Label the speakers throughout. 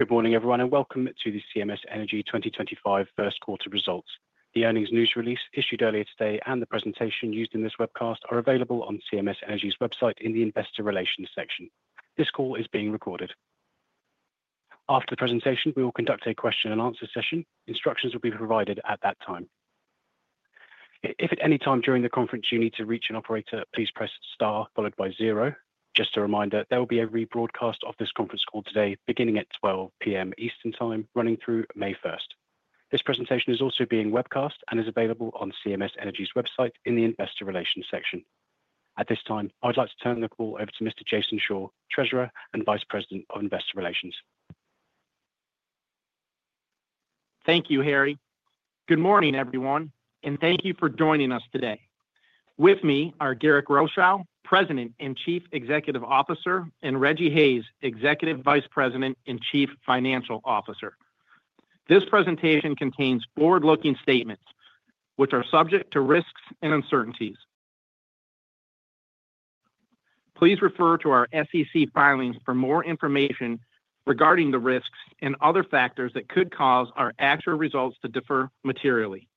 Speaker 1: Good morning, everyone, and welcome to the CMS Energy 2025 first quarter results. The earnings news release issued earlier today and the presentation used in this webcast are available on CMS Energy's website in the Investor Relations section. This call is being recorded. After the presentation, we will conduct a question-and-answer session. Instructions will be provided at that time. If at any time during the conference you need to reach an operator, please press star followed by zero. Just a reminder, there will be a rebroadcast of this conference call today beginning at 12:00 P.M. Eastern Time, running through May 1. This presentation is also being webcast and is available on CMS Energy's website in the Investor Relations section. At this time, I would like to turn the call over to Mr. Jason Shore, Treasurer and Vice President of Investor Relations.
Speaker 2: Thank you, Harry. Good morning, everyone, and thank you for joining us today. With me are Garrick Rochow, President and Chief Executive Officer, and Rejji Hayes, Executive Vice President and Chief Financial Officer. This presentation contains forward-looking statements, which are subject to risks and uncertainties. Please refer to our SEC filings for more information regarding the risks and other factors that could cause our actual results to differ materially.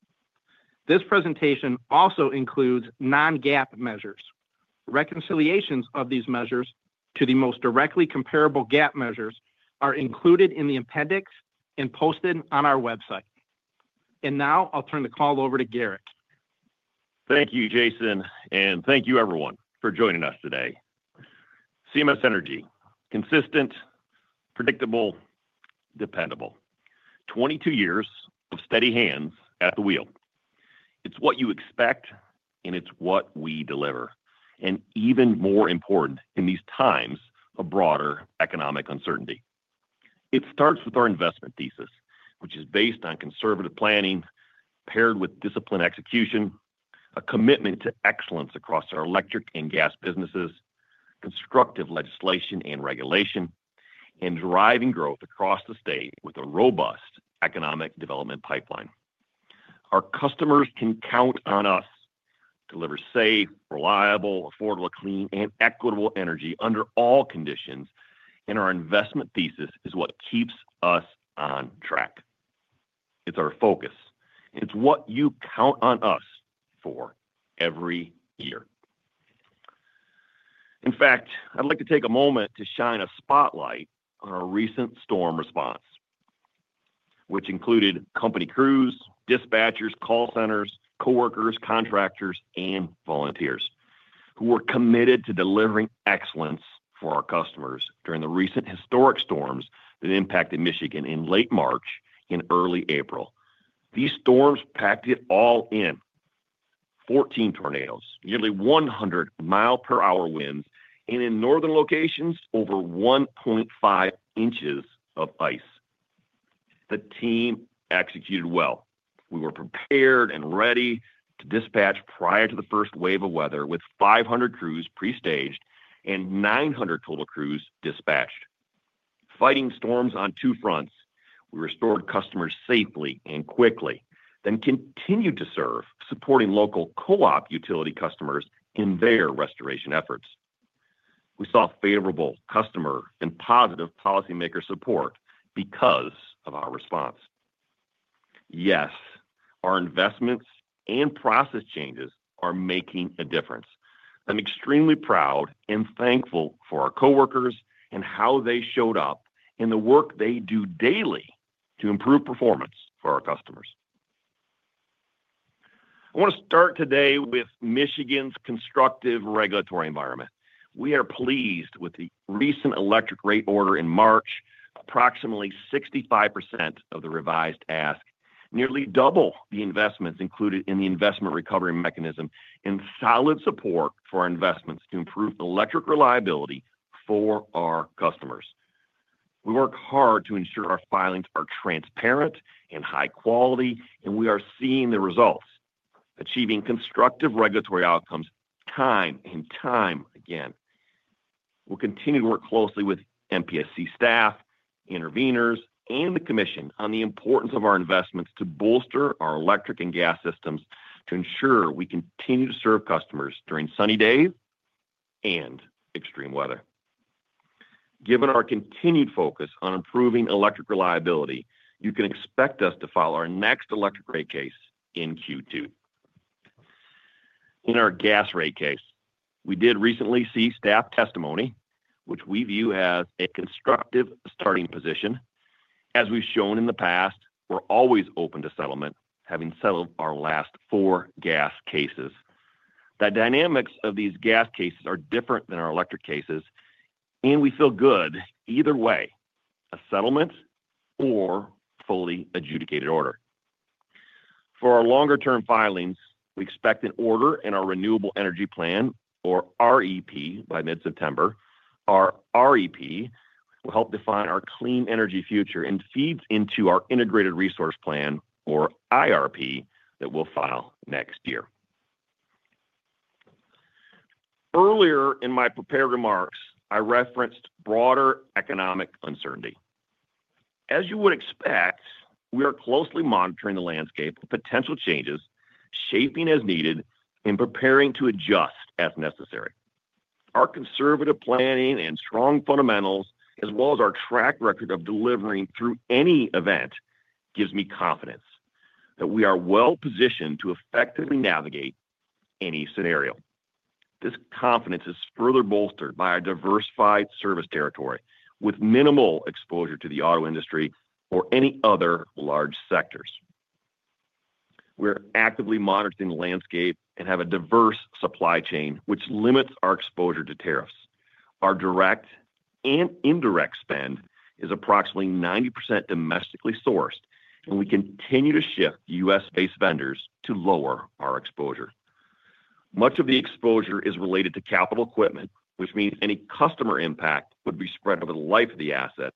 Speaker 2: This presentation also includes non-GAAP measures. Reconciliations of these measures to the most directly comparable GAAP measures are included in the appendix and posted on our website. I will now turn the call over to Garrick. Thank you, Jason, and thank you, everyone, for joining us today. CMS Energy: consistent, predictable, dependable. Twenty-two years of steady hands at the wheel. It is what you expect, and it is what we deliver. Even more important in these times of broader economic uncertainty. It starts with our investment thesis, which is based on conservative planning paired with disciplined execution, a commitment to excellence across our electric and gas businesses, constructive legislation and regulation, and driving growth across the state with a robust economic development pipeline. Our customers can count on us to deliver safe, reliable, affordable, clean, and equitable energy under all conditions, and our investment thesis is what keeps us on track. It is our focus. It is what you count on us for every year. In fact, I'd like to take a moment to shine a spotlight on our recent storm response, which included company crews, dispatchers, call centers, coworkers, contractors, and volunteers who were committed to delivering excellence for our customers during the recent historic storms that impacted Michigan in late March and early April. These storms packed it all in: 14 tornadoes, nearly 100 mile-per-hour winds, and in northern locations, over 1.5 inches of ice. The team executed well. We were prepared and ready to dispatch prior to the first wave of weather with 500 crews pre-staged and 900 total crews dispatched. Fighting storms on two fronts, we restored customers safely and quickly, then continued to serve, supporting local co-op utility customers in their restoration efforts. We saw favorable customer and positive policymaker support because of our response. Yes, our investments and process changes are making a difference. I'm extremely proud and thankful for our coworkers and how they showed up in the work they do daily to improve performance for our customers. I want to start today with Michigan's constructive regulatory environment. We are pleased with the recent electric rate order in March, approximately 65% of the revised ask, nearly double the investments included in the investment recovery mechanism, and solid support for our investments to improve electric reliability for our customers. We work hard to ensure our filings are transparent and high quality, and we are seeing the results, achieving constructive regulatory outcomes time and time again. We'll continue to work closely with MPSC staff, interveners, and the Commission on the importance of our investments to bolster our electric and gas systems to ensure we continue to serve customers during sunny days and extreme weather. Given our continued focus on improving electric reliability, you can expect us to file our next electric rate case in Q2. In our gas rate case, we did recently see staff testimony, which we view as a constructive starting position. As we've shown in the past, we're always open to settlement, having settled our last four gas cases. The dynamics of these gas cases are different than our electric cases, and we feel good either way: a settlement or fully adjudicated order. For our longer-term filings, we expect an order in our Renewable Energy Plan, or REP, by mid-September. Our REP will help define our clean energy future and feeds into our Integrated Resource Plan, or IRP, that we'll file next year. Earlier in my prepared remarks, I referenced broader economic uncertainty. As you would expect, we are closely monitoring the landscape, potential changes, shaping as needed, and preparing to adjust as necessary. Our conservative planning and strong fundamentals, as well as our track record of delivering through any event, gives me confidence that we are well-positioned to effectively navigate any scenario. This confidence is further bolstered by our diversified service territory with minimal exposure to the auto industry or any other large sectors. We're actively monitoring the landscape and have a diverse supply chain, which limits our exposure to tariffs. Our direct and indirect spend is approximately 90% domestically sourced, and we continue to shift U.S.-based vendors to lower our exposure. Much of the exposure is related to capital equipment, which means any customer impact would be spread over the life of the asset,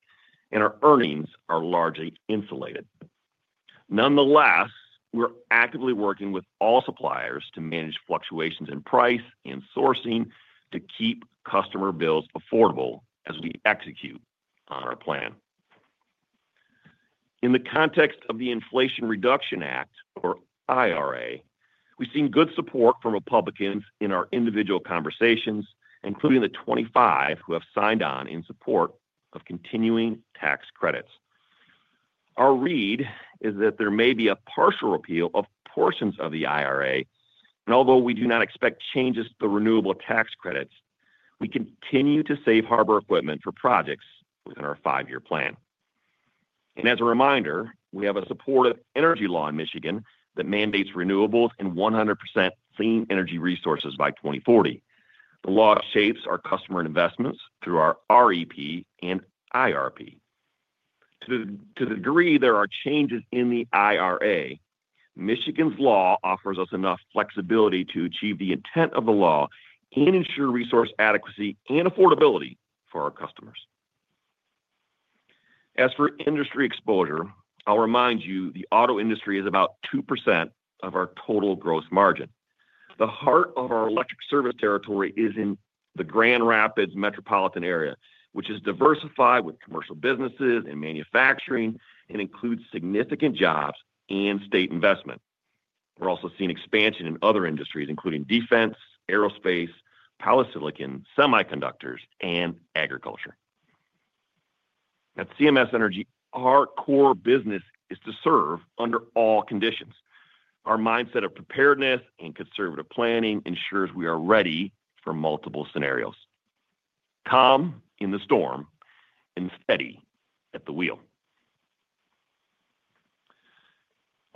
Speaker 2: and our earnings are largely insulated. Nonetheless, we're actively working with all suppliers to manage fluctuations in price and sourcing to keep customer bills affordable as we execute on our plan. In the context of the Inflation Reduction Act, or IRA, we've seen good support from Republicans in our individual conversations, including the 25 who have signed on in support of continuing tax credits. Our read is that there may be a partial repeal of portions of the IRA, and although we do not expect changes to the renewable tax credits, we continue to safe harbor equipment for projects within our five-year plan. As a reminder, we have a supportive energy law in Michigan that mandates renewables and 100% clean energy resources by 2040. The law shapes our customer investments through our REP and IRP.
Speaker 3: To the degree there are changes in the IRA, Michigan's law offers us enough flexibility to achieve the intent of the law and ensure resource adequacy and affordability for our customers. As for industry exposure, I'll remind you the auto industry is about 2% of our total gross margin. The heart of our electric service territory is in the Grand Rapids metropolitan area, which is diversified with commercial businesses and manufacturing and includes significant jobs and state investment. We're also seeing expansion in other industries, including defense, aerospace, polysilicon, semiconductors, and agriculture. At CMS Energy, our core business is to serve under all conditions. Our mindset of preparedness and conservative planning ensures we are ready for multiple scenarios, calm in the storm and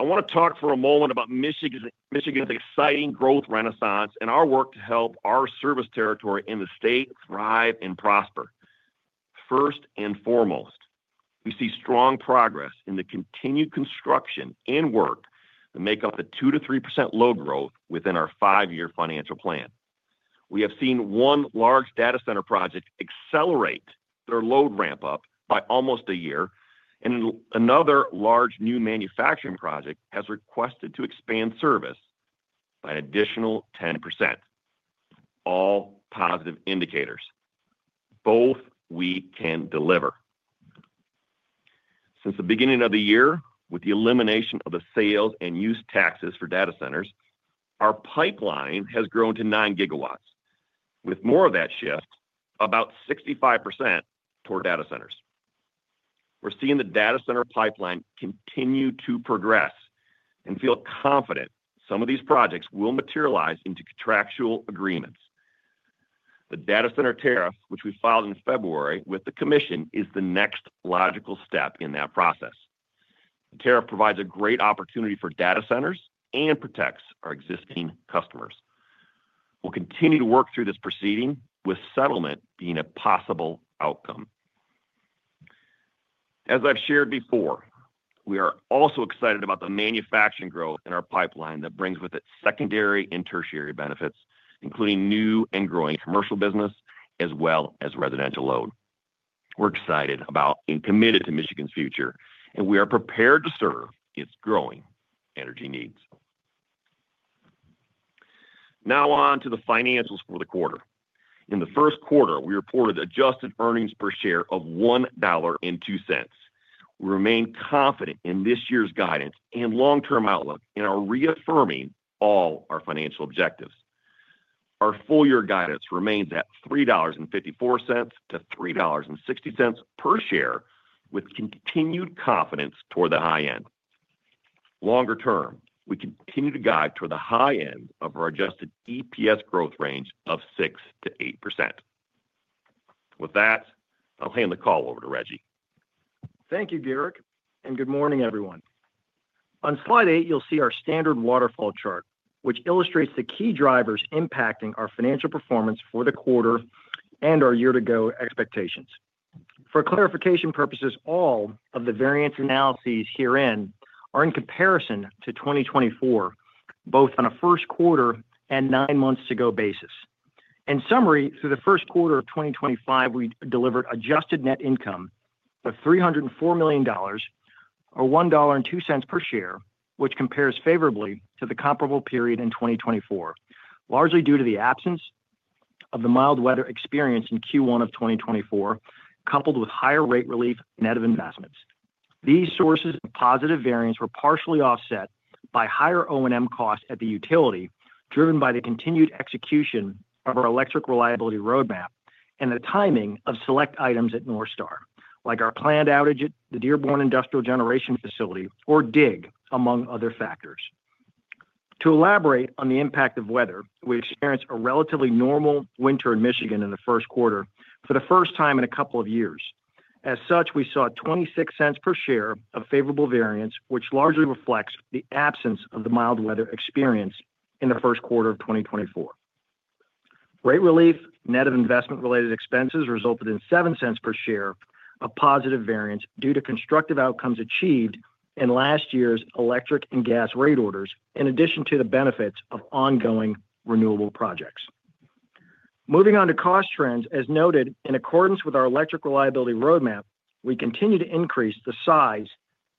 Speaker 3: steady at the wheel. I want to talk for a moment about Michigan's exciting growth renaissance and our work to help our service territory in the state thrive and prosper. First and foremost, we see strong progress in the continued construction and work that make up the 2-3% load growth within our five-year financial plan. We have seen one large data center project accelerate their load ramp-up by almost a year, and another large new manufacturing project has requested to expand service by an additional 10%. All positive indicators. Both we can deliver. Since the beginning of the year, with the elimination of the sales and use taxes for data centers, our pipeline has grown to 9 GW, with more of that shift, about 65%, toward data centers. We're seeing the data center pipeline continue to progress and feel confident some of these projects will materialize into contractual agreements. The data center tariff, which we filed in February with the Commission, is the next logical step in that process. The tariff provides a great opportunity for data centers and protects our existing customers. We'll continue to work through this proceeding, with settlement being a possible outcome. As I've shared before, we are also excited about the manufacturing growth in our pipeline that brings with it secondary and tertiary benefits, including new and growing commercial business as well as residential load. We're excited about and committed to Michigan's future, and we are prepared to serve its growing energy needs. Now on to the financials for the quarter. In the first quarter, we reported adjusted earnings per share of $1.02. We remain confident in this year's guidance and long-term outlook and are reaffirming all our financial objectives. Our full-year guidance remains at $3.54-$3.60 per share, with continued confidence toward the high end. Longer term, we continue to guide toward the high end of our adjusted EPS growth range of 6%-8%. With that, I'll hand the call over to Rejji.
Speaker 4: Thank you, Garrick, and good morning, everyone. On slide 8, you'll see our standard waterfall chart, which illustrates the key drivers impacting our financial performance for the quarter and our year-to-go expectations. For clarification purposes, all of the variance analyses herein are in comparison to 2024, both on a first quarter and nine months-to-go basis. In summary, through the first quarter of 2025, we delivered adjusted net income of $304 million, or $1.02 per share, which compares favorably to the comparable period in 2024, largely due to the absence of the mild weather experience in Q1 of 2024, coupled with higher rate relief net of investments. These sources of positive variance were partially offset by higher O&M costs at the utility, driven by the continued execution of our electric reliability roadmap and the timing of select items at NorthStar, like our planned outage at the Dearborn Industrial Generation Facility or DIG, among other factors. To elaborate on the impact of weather, we experienced a relatively normal winter in Michigan in the first quarter for the first time in a couple of years. As such, we saw $0.26 per share of favorable variance, which largely reflects the absence of the mild weather experienced in the first quarter of 2024. Rate relief net of investment-related expenses resulted in $0.07 per share of positive variance due to constructive outcomes achieved in last year's electric and gas rate orders, in addition to the benefits of ongoing renewable projects. Moving on to cost trends, as noted, in accordance with our electric reliability roadmap, we continue to increase the size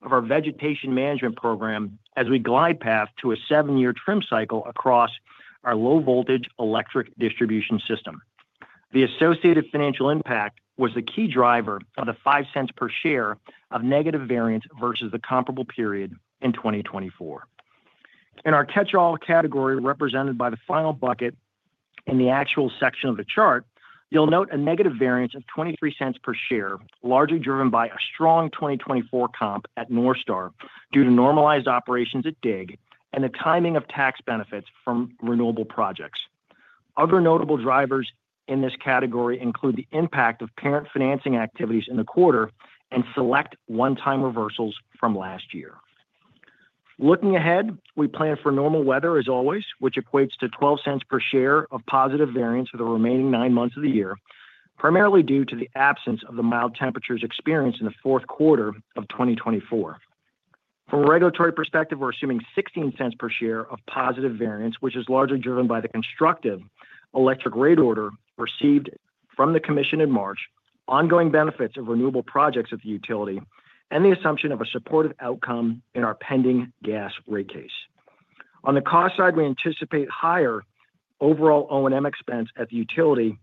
Speaker 4: of our vegetation management program as we glide path to a seven-year trim cycle across our low-voltage electric distribution system. The associated financial impact was the key driver of the $0.05 per share of negative variance versus the comparable period in 2024. In our catch-all category represented by the final bucket in the actual section of the chart, you'll note a negative variance of $0.23 per share, largely driven by a strong 2024 comp at NorthStar due to normalized operations at DIG and the timing of tax benefits from renewable projects. Other notable drivers in this category include the impact of parent financing activities in the quarter and select one-time reversals from last year. Looking ahead, we plan for normal weather as always, which equates to $0.12 per share of positive variance for the remaining nine months of the year, primarily due to the absence of the mild temperatures experienced in the fourth quarter of 2024. From a regulatory perspective, we're assuming $0.16 per share of positive variance, which is largely driven by the constructive electric rate order received from the Commission in March, ongoing benefits of renewable projects at the utility, and the assumption of a supportive outcome in our pending gas rate case. On the cost side, we anticipate higher overall O&M expense at the utility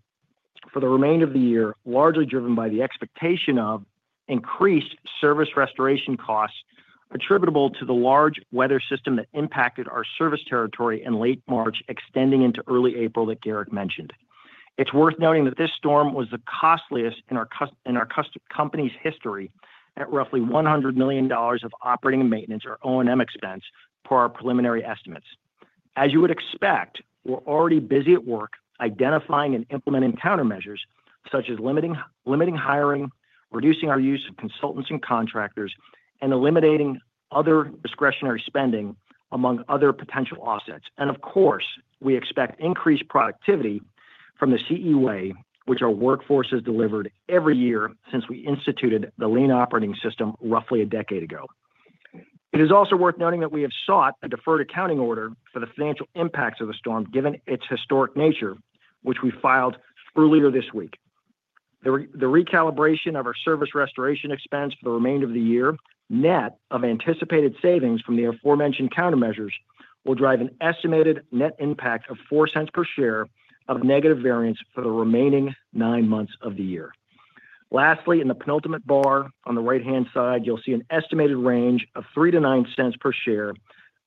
Speaker 4: for the remainder of the year, largely driven by the expectation of increased service restoration costs attributable to the large weather system that impacted our service territory in late March, extending into early April that Garrick mentioned. It's worth noting that this storm was the costliest in our company's history at roughly $100 million of operating and maintenance, or O&M expense, per our preliminary estimates. As you would expect, we're already busy at work identifying and implementing countermeasures such as limiting hiring, reducing our use of consultants and contractors, and eliminating other discretionary spending, among other potential offsets. Of course, we expect increased productivity from the CEWA, which our workforce has delivered every year since we instituted the lean operating system roughly a decade ago. It is also worth noting that we have sought a deferred accounting order for the financial impacts of the storm, given its historic nature, which we filed earlier this week. The recalibration of our service restoration expense for the remainder of the year net of anticipated savings from the aforementioned countermeasures will drive an estimated net impact of $0.04 per share of negative variance for the remaining nine months of the year. Lastly, in the penultimate bar on the right-hand side, you'll see an estimated range of $0.03-$0.09 per share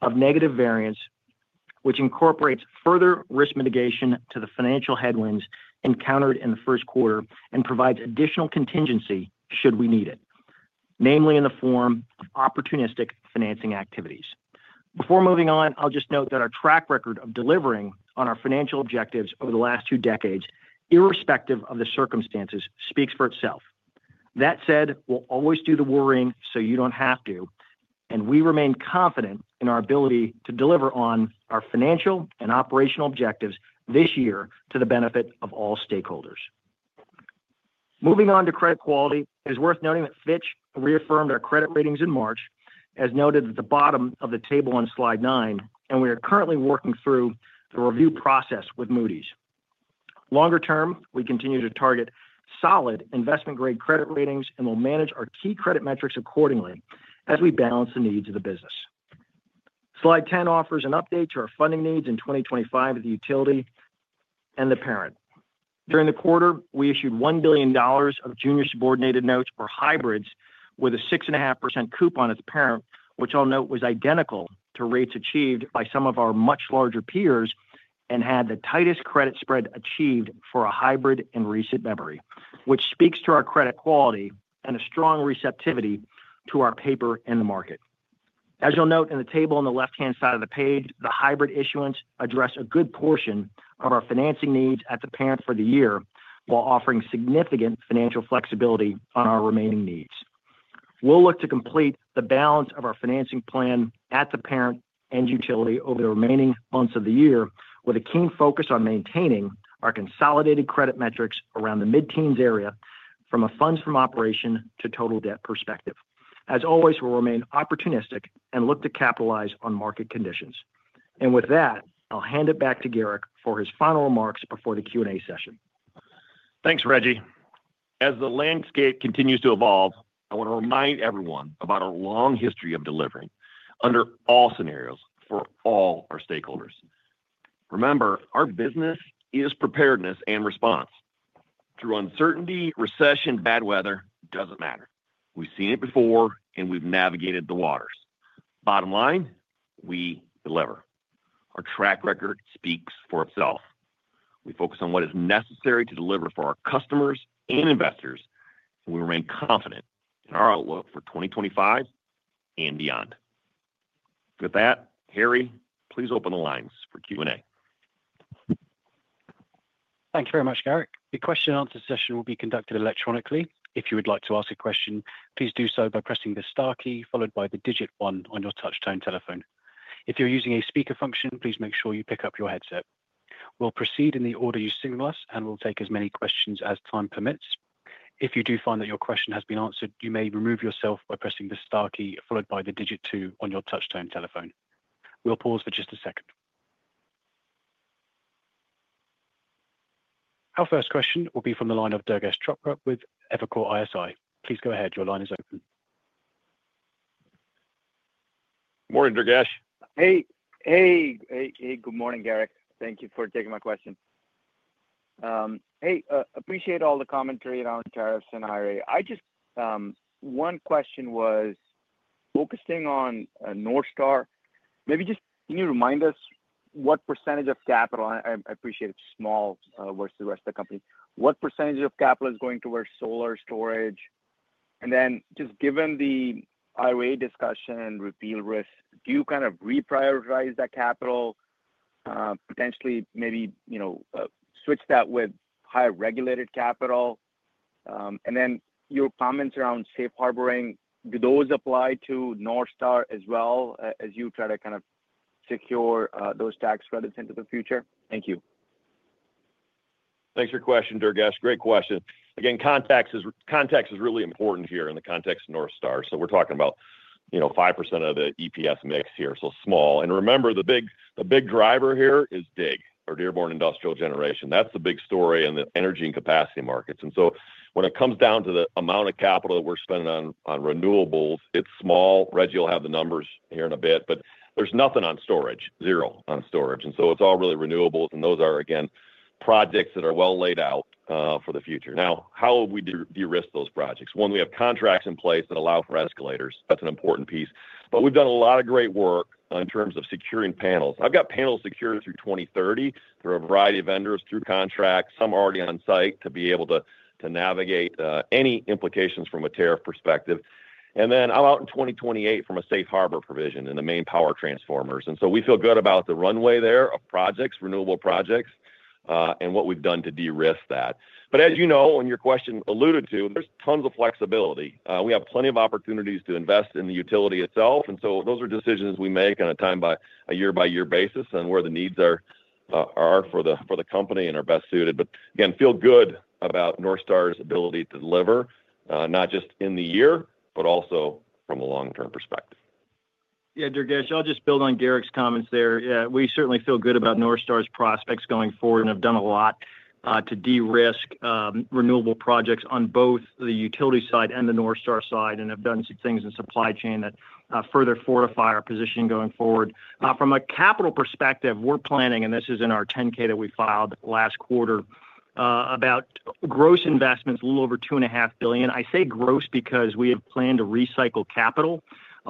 Speaker 4: of negative variance, which incorporates further risk mitigation to the financial headwinds encountered in the first quarter and provides additional contingency should we need it, namely in the form of opportunistic financing activities. Before moving on, I'll just note that our track record of delivering on our financial objectives over the last two decades, irrespective of the circumstances, speaks for itself. That said, we'll always do the worrying so you don't have to, and we remain confident in our ability to deliver on our financial and operational objectives this year to the benefit of all stakeholders. Moving on to credit quality, it is worth noting that Fitch reaffirmed our credit ratings in March, as noted at the bottom of the table on slide 9, and we are currently working through the review process with Moody's. Longer term, we continue to target solid investment-grade credit ratings and will manage our key credit metrics accordingly as we balance the needs of the business. Slide 10 offers an update to our funding needs in 2025 at the utility and the parent. During the quarter, we issued $1 billion of junior subordinated notes or hybrids with a 6.5% coupon at the parent, which I'll note was identical to rates achieved by some of our much larger peers and had the tightest credit spread achieved for a hybrid in recent memory, which speaks to our credit quality and a strong receptivity to our paper in the market. As you'll note in the table on the left-hand side of the page, the hybrid issuance addressed a good portion of our financing needs at the parent for the year while offering significant financial flexibility on our remaining needs. We'll look to complete the balance of our financing plan at the parent and utility over the remaining months of the year with a keen focus on maintaining our consolidated credit metrics around the mid-teens area from a funds from operation to total debt perspective. As always, we will remain opportunistic and look to capitalize on market conditions. With that, I will hand it back to Garrick for his final remarks before the Q&A session.
Speaker 3: Thanks, Rejji. As the landscape continues to evolve, I want to remind everyone about our long history of delivering under all scenarios for all our stakeholders. Remember, our business is preparedness and response. Through uncertainty, recession, bad weather, it doesn't matter. We've seen it before, and we've navigated the waters. Bottom line, we deliver. Our track record speaks for itself. We focus on what is necessary to deliver for our customers and investors, and we remain confident in our outlook for 2025 and beyond. With that, Harry, please open the lines for Q&A.
Speaker 1: Thanks very much, Garrick. The question-and-answer session will be conducted electronically. If you would like to ask a question, please do so by pressing the star key followed by the digit 1 on your touch-tone telephone. If you're using a speaker function, please make sure you pick up your headset. We'll proceed in the order you've seen us, and we'll take as many questions as time permits. If you do find that your question has been answered, you may remove yourself by pressing the star key followed by the digit 2 on your touch-tone telephone. We'll pause for just a second. Our first question will be from the line of Durgesh Chopra with Evercore ISI. Please go ahead. Your line is open.
Speaker 5: Morning, Durgesh. Hey. Good morning, Garrick. Thank you for taking my question. Appreciate all the commentary around tariffs and IRA. I just one question was focusing on NorthStar. Maybe just can you remind us what percentage of capital, I appreciate it's small versus the rest of the company, what percentage of capital is going towards solar storage? And then just given the IRA discussion and repeal risk, do you kind of reprioritize that capital, potentially maybe switch that with higher regulated capital? Your comments around safe harboring, do those apply to NorthStar as well as you try to kind of secure those tax credits into the future? Thank you.
Speaker 3: Thanks for your question, Durgesh. Great question. Again, context is really important here in the context of NorthStar. We are talking about 5% of the EPS mix here, so small. Remember, the big driver here is DIG, or Dearborn Industrial Generation. That is the big story in the energy and capacity markets. When it comes down to the amount of capital that we are spending on renewables, it is small. Rejji will have the numbers here in a bit, but there is nothing on storage, zero on storage. It is all really renewables, and those are, again, projects that are well laid out for the future. Now, how do we de-risk those projects? One, we have contracts in place that allow for escalators. That is an important piece. We have done a lot of great work in terms of securing panels. I've got panels secured through 2030 through a variety of vendors, through contracts, some already on site to be able to navigate any implications from a tariff perspective. I'm out in 2028 from a safe harbor provision in the main power transformers. We feel good about the runway there of projects, renewable projects, and what we've done to de-risk that. As you know, and your question alluded to, there's tons of flexibility. We have plenty of opportunities to invest in the utility itself. Those are decisions we make on a year-by-year basis and where the needs are for the company and are best suited. Again, feel good about NorthStar's ability to deliver, not just in the year, but also from a long-term perspective.
Speaker 4: Yeah, Durgesh, I'll just build on Garrick's comments there. Yeah, we certainly feel good about NorthStar's prospects going forward and have done a lot to de-risk renewable projects on both the utility side and the NorthStar side, and have done some things in supply chain that further fortify our position going forward. From a capital perspective, we're planning, and this is in our 10-K that we filed last quarter, about gross investments, a little over $2.5 billion. I say gross because we have planned to recycle capital,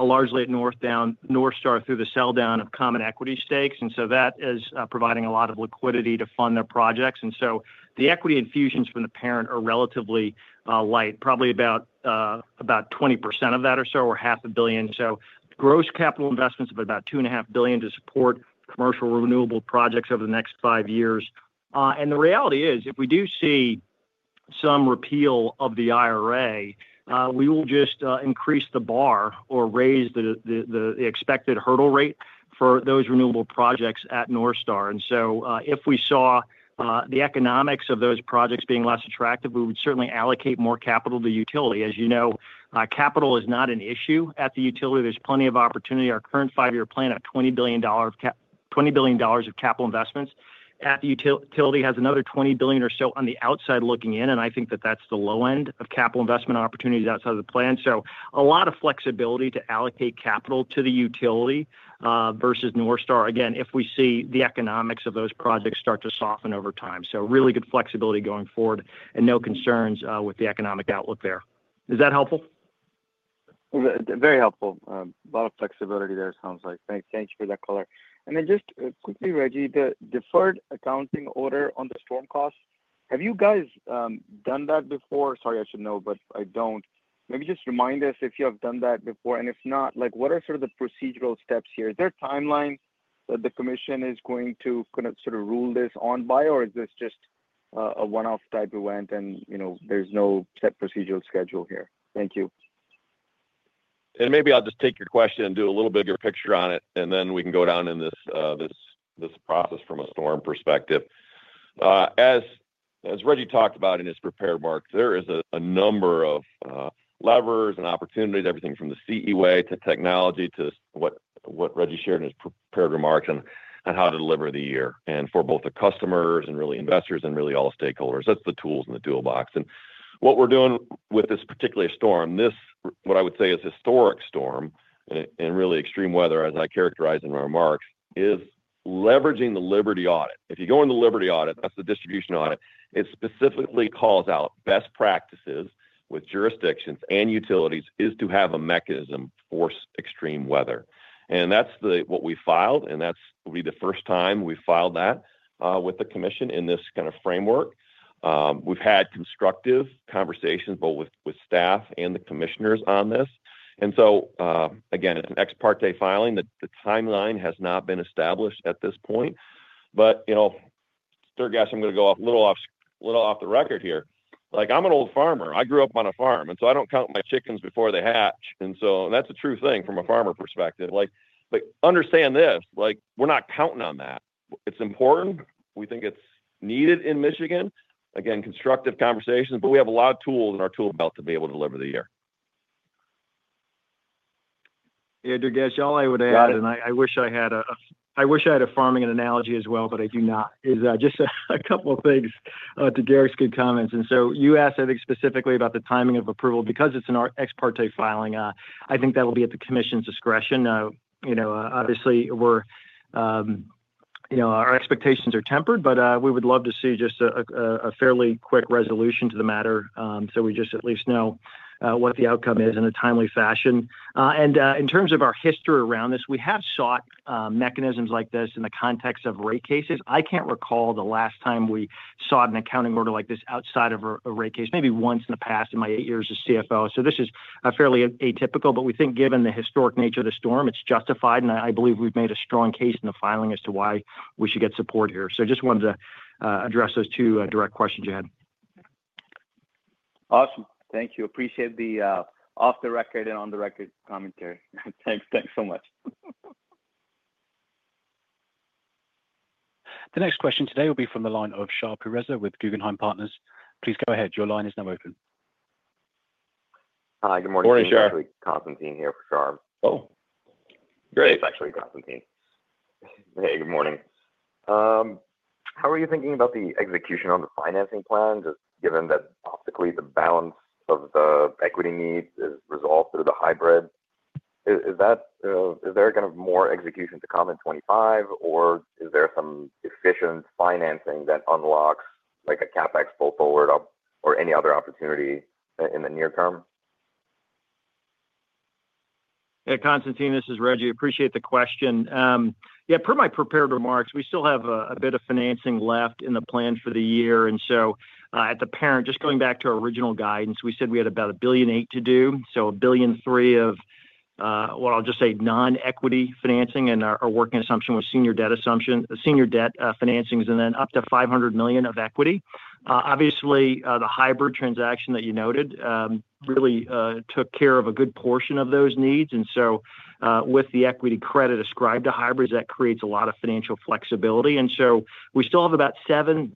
Speaker 4: largely at NorthStar through the sell-down of common equity stakes. That is providing a lot of liquidity to fund their projects. The equity infusions from the parent are relatively light, probably about 20% of that or so, or $500,000,000. Gross capital investments of about $2.5 billion to support commercial renewable projects over the next five years. The reality is, if we do see some repeal of the IRA, we will just increase the bar or raise the expected hurdle rate for those renewable projects at NorthStar. If we saw the economics of those projects being less attractive, we would certainly allocate more capital to utility. As you know, capital is not an issue at the utility. There is plenty of opportunity. Our current five-year plan of $20 billion of capital investments at the utility has another $20 billion or so on the outside looking in. I think that that is the low end of capital investment opportunities outside of the plan. There is a lot of flexibility to allocate capital to the utility versus NorthStar, again, if we see the economics of those projects start to soften over time. Really good flexibility going forward and no concerns with the economic outlook there. Is that helpful?
Speaker 5: Very helpful. A lot of flexibility there, it sounds like. Thank you for that, Color. Just quickly, Rejji, the deferred accounting order on the storm costs, have you guys done that before? Sorry, I should know, but I don't. Maybe just remind us if you have done that before. If not, what are sort of the procedural steps here? Is there a timeline that the Commission is going to sort of rule this on by, or is this just a one-off type event and there's no set procedural schedule here? Thank you.
Speaker 3: Maybe I'll just take your question and do a little bigger picture on it, and then we can go down in this process from a storm perspective. As Rejji talked about in his prepared remarks, there is a number of levers and opportunities, everything from the CEWA to technology to what Rejji shared in his prepared remarks on how to deliver the year and for both the customers and really investors and really all stakeholders. That is the tools in the toolbox. What we are doing with this particular storm, what I would say is historic storm and really extreme weather, as I characterized in my remarks, is leveraging the Liberty audit. If you go into the Liberty audit, that is the distribution audit, it specifically calls out best practices with jurisdictions and utilities is to have a mechanism for extreme weather. That is what we filed, and that will be the first time we filed that with the Commission in this kind of framework. We have had constructive conversations both with staff and the commissioners on this. It is an ex parte filing. The timeline has not been established at this point. Durgesh, I'm going to go a little off the record here. I'm an old farmer. I grew up on a farm, and I do not count my chickens before they hatch. That is a true thing from a farmer perspective. Understand this, we are not counting on that. It is important. We think it is needed in Michigan. Constructive conversations continue, but we have a lot of tools in our toolbelt to be able to deliver the year.
Speaker 4: Yeah, Durgesh, all I would add, and I wish I had a farming analogy as well, but I do not, is just a couple of things to Garrick's good comments. You asked, I think, specifically about the timing of approval. Because it's an ex parte filing, I think that will be at the Commission's discretion. Obviously, our expectations are tempered, but we would love to see just a fairly quick resolution to the matter so we at least know what the outcome is in a timely fashion. In terms of our history around this, we have sought mechanisms like this in the context of rate cases. I can't recall the last time we sought an accounting order like this outside of a rate case, maybe once in the past in my eight years as CFO. This is fairly atypical, but we think given the historic nature of the storm, it's justified, and I believe we've made a strong case in the filing as to why we should get support here. I just wanted to address those two direct questions you had.
Speaker 5: Awesome. Thank you. Appreciate the off-the-record and on-the-record commentary. Thanks so much.
Speaker 1: The next question today will be from the line of Shar Pourreza with Guggenheim Partners. Please go ahead. Your line is now open.
Speaker 6: Hi, good morning, Shar.
Speaker 3: Morning, Shar.
Speaker 6: Constantine here for Shar.
Speaker 3: Oh, great.
Speaker 6: It's actually Constantine. Hey, good morning. How are you thinking about the execution on the financing plan, just given that optically the balance of the equity needs is resolved through the hybrid? Is there kind of more execution to come in 2025, or is there some efficient financing that unlocks a CapEx pull forward or any other opportunity in the near term?
Speaker 4: Yeah, Constantine, this is Rejji. Appreciate the question. Yeah, per my prepared remarks, we still have a bit of financing left in the plan for the year. At the parent, just going back to our original guidance, we said we had about $1.8 billion to do. $1.3 billion of, well, I'll just say non-equity financing and our working assumption with senior debt financings, and then up to $500 million of equity. Obviously, the hybrid transaction that you noted really took care of a good portion of those needs. With the equity credit ascribed to hybrids, that creates a lot of financial flexibility. We still have about $700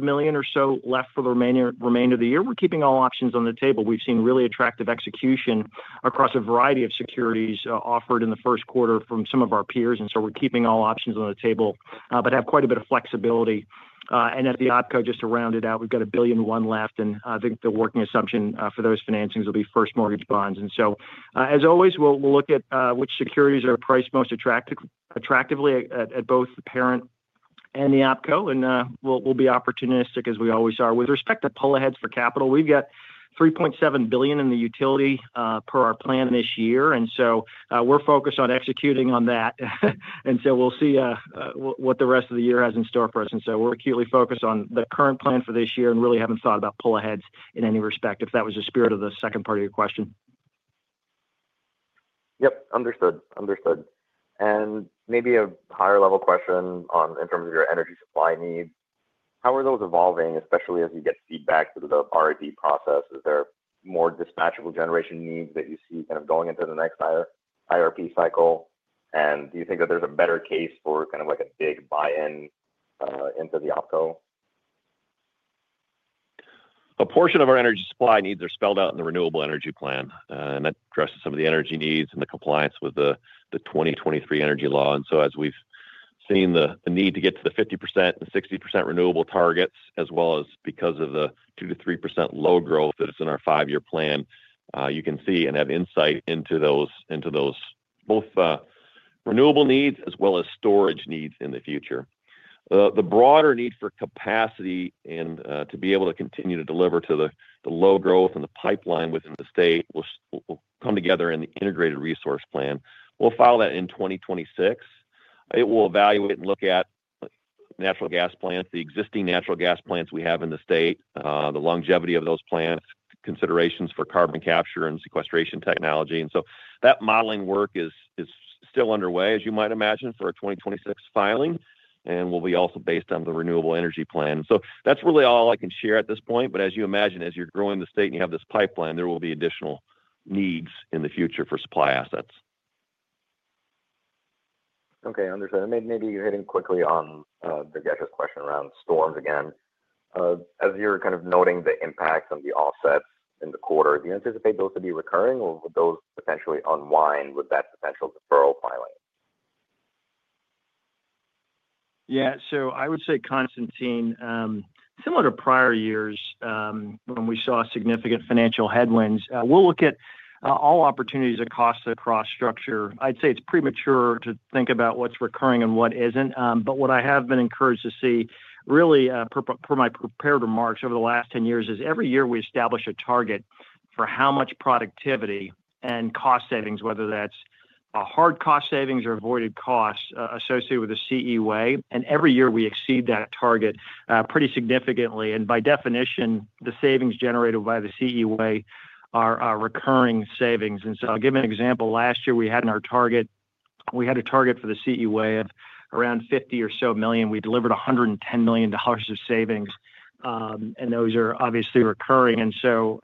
Speaker 4: million or so left for the remainder of the year. We're keeping all options on the table. We've seen really attractive execution across a variety of securities offered in the first quarter from some of our peers. We are keeping all options on the table, but have quite a bit of flexibility. At the opco, just to round it out, we've got $1.1 billion left, and I think the working assumption for those financings will be first mortgage bonds. As always, we'll look at which securities are priced most attractively at both the parent and the opco, and we'll be opportunistic as we always are. With respect to pull aheads for capital, we've got $3.7 billion in the utility per our plan this year. We are focused on executing on that. We'll see what the rest of the year has in store for us. We're acutely focused on the current plan for this year and really haven't thought about pull aheads in any respect, if that was the spirit of the second part of your question.
Speaker 6: Yep, understood. Understood. Maybe a higher-level question in terms of your energy supply needs. How are those evolving, especially as you get feedback through the REP process? Is there more dispatchable generation needs that you see kind of going into the next IRP cycle? Do you think that there is a better case for kind of a big buy-in into the opco?
Speaker 3: A portion of our energy supply needs are spelled out in the Renewable Energy Plan, and that addresses some of the energy needs and the compliance with the 2023 energy law. As we have seen the need to get to the 50% and 60% renewable targets, as well as because of the 2-3% load growth that is in our five-year plan, you can see and have insight into those both renewable needs as well as storage needs in the future. The broader need for capacity and to be able to continue to deliver to the load growth and the pipeline within the state will come together in the Integrated Resource Plan. We will file that in 2026. It will evaluate and look at natural gas plants, the existing natural gas plants we have in the state, the longevity of those plants, considerations for carbon capture and sequestration technology. That modeling work is still underway, as you might imagine, for our 2026 filing, and will be also based on the renewable energy plan. That is really all I can share at this point. As you imagine, as you're growing the state and you have this pipeline, there will be additional needs in the future for supply assets.
Speaker 6: Okay, understood. Maybe you're hitting quickly on Durgesh's question around storms again. As you're kind of noting the impacts on the offsets in the quarter, do you anticipate those to be recurring, or will those potentially unwind with that potential deferral filing?
Speaker 4: Yeah, I would say, Constantine, similar to prior years when we saw significant financial headwinds, we'll look at all opportunities that cost. Cross-structure. I'd say it's premature to think about what's recurring and what isn't. What I have been encouraged to see, really, per my prepared remarks over the last 10 years, is every year we establish a target for how much productivity and cost savings, whether that's hard cost savings or avoided costs associated with the CEWA. Every year we exceed that target pretty significantly. By definition, the savings generated by the CEWA are recurring savings. I'll give an example. Last year, we had in our target, we had a target for the CEWA of around $50 million or so. We delivered $110 million of savings, and those are obviously recurring.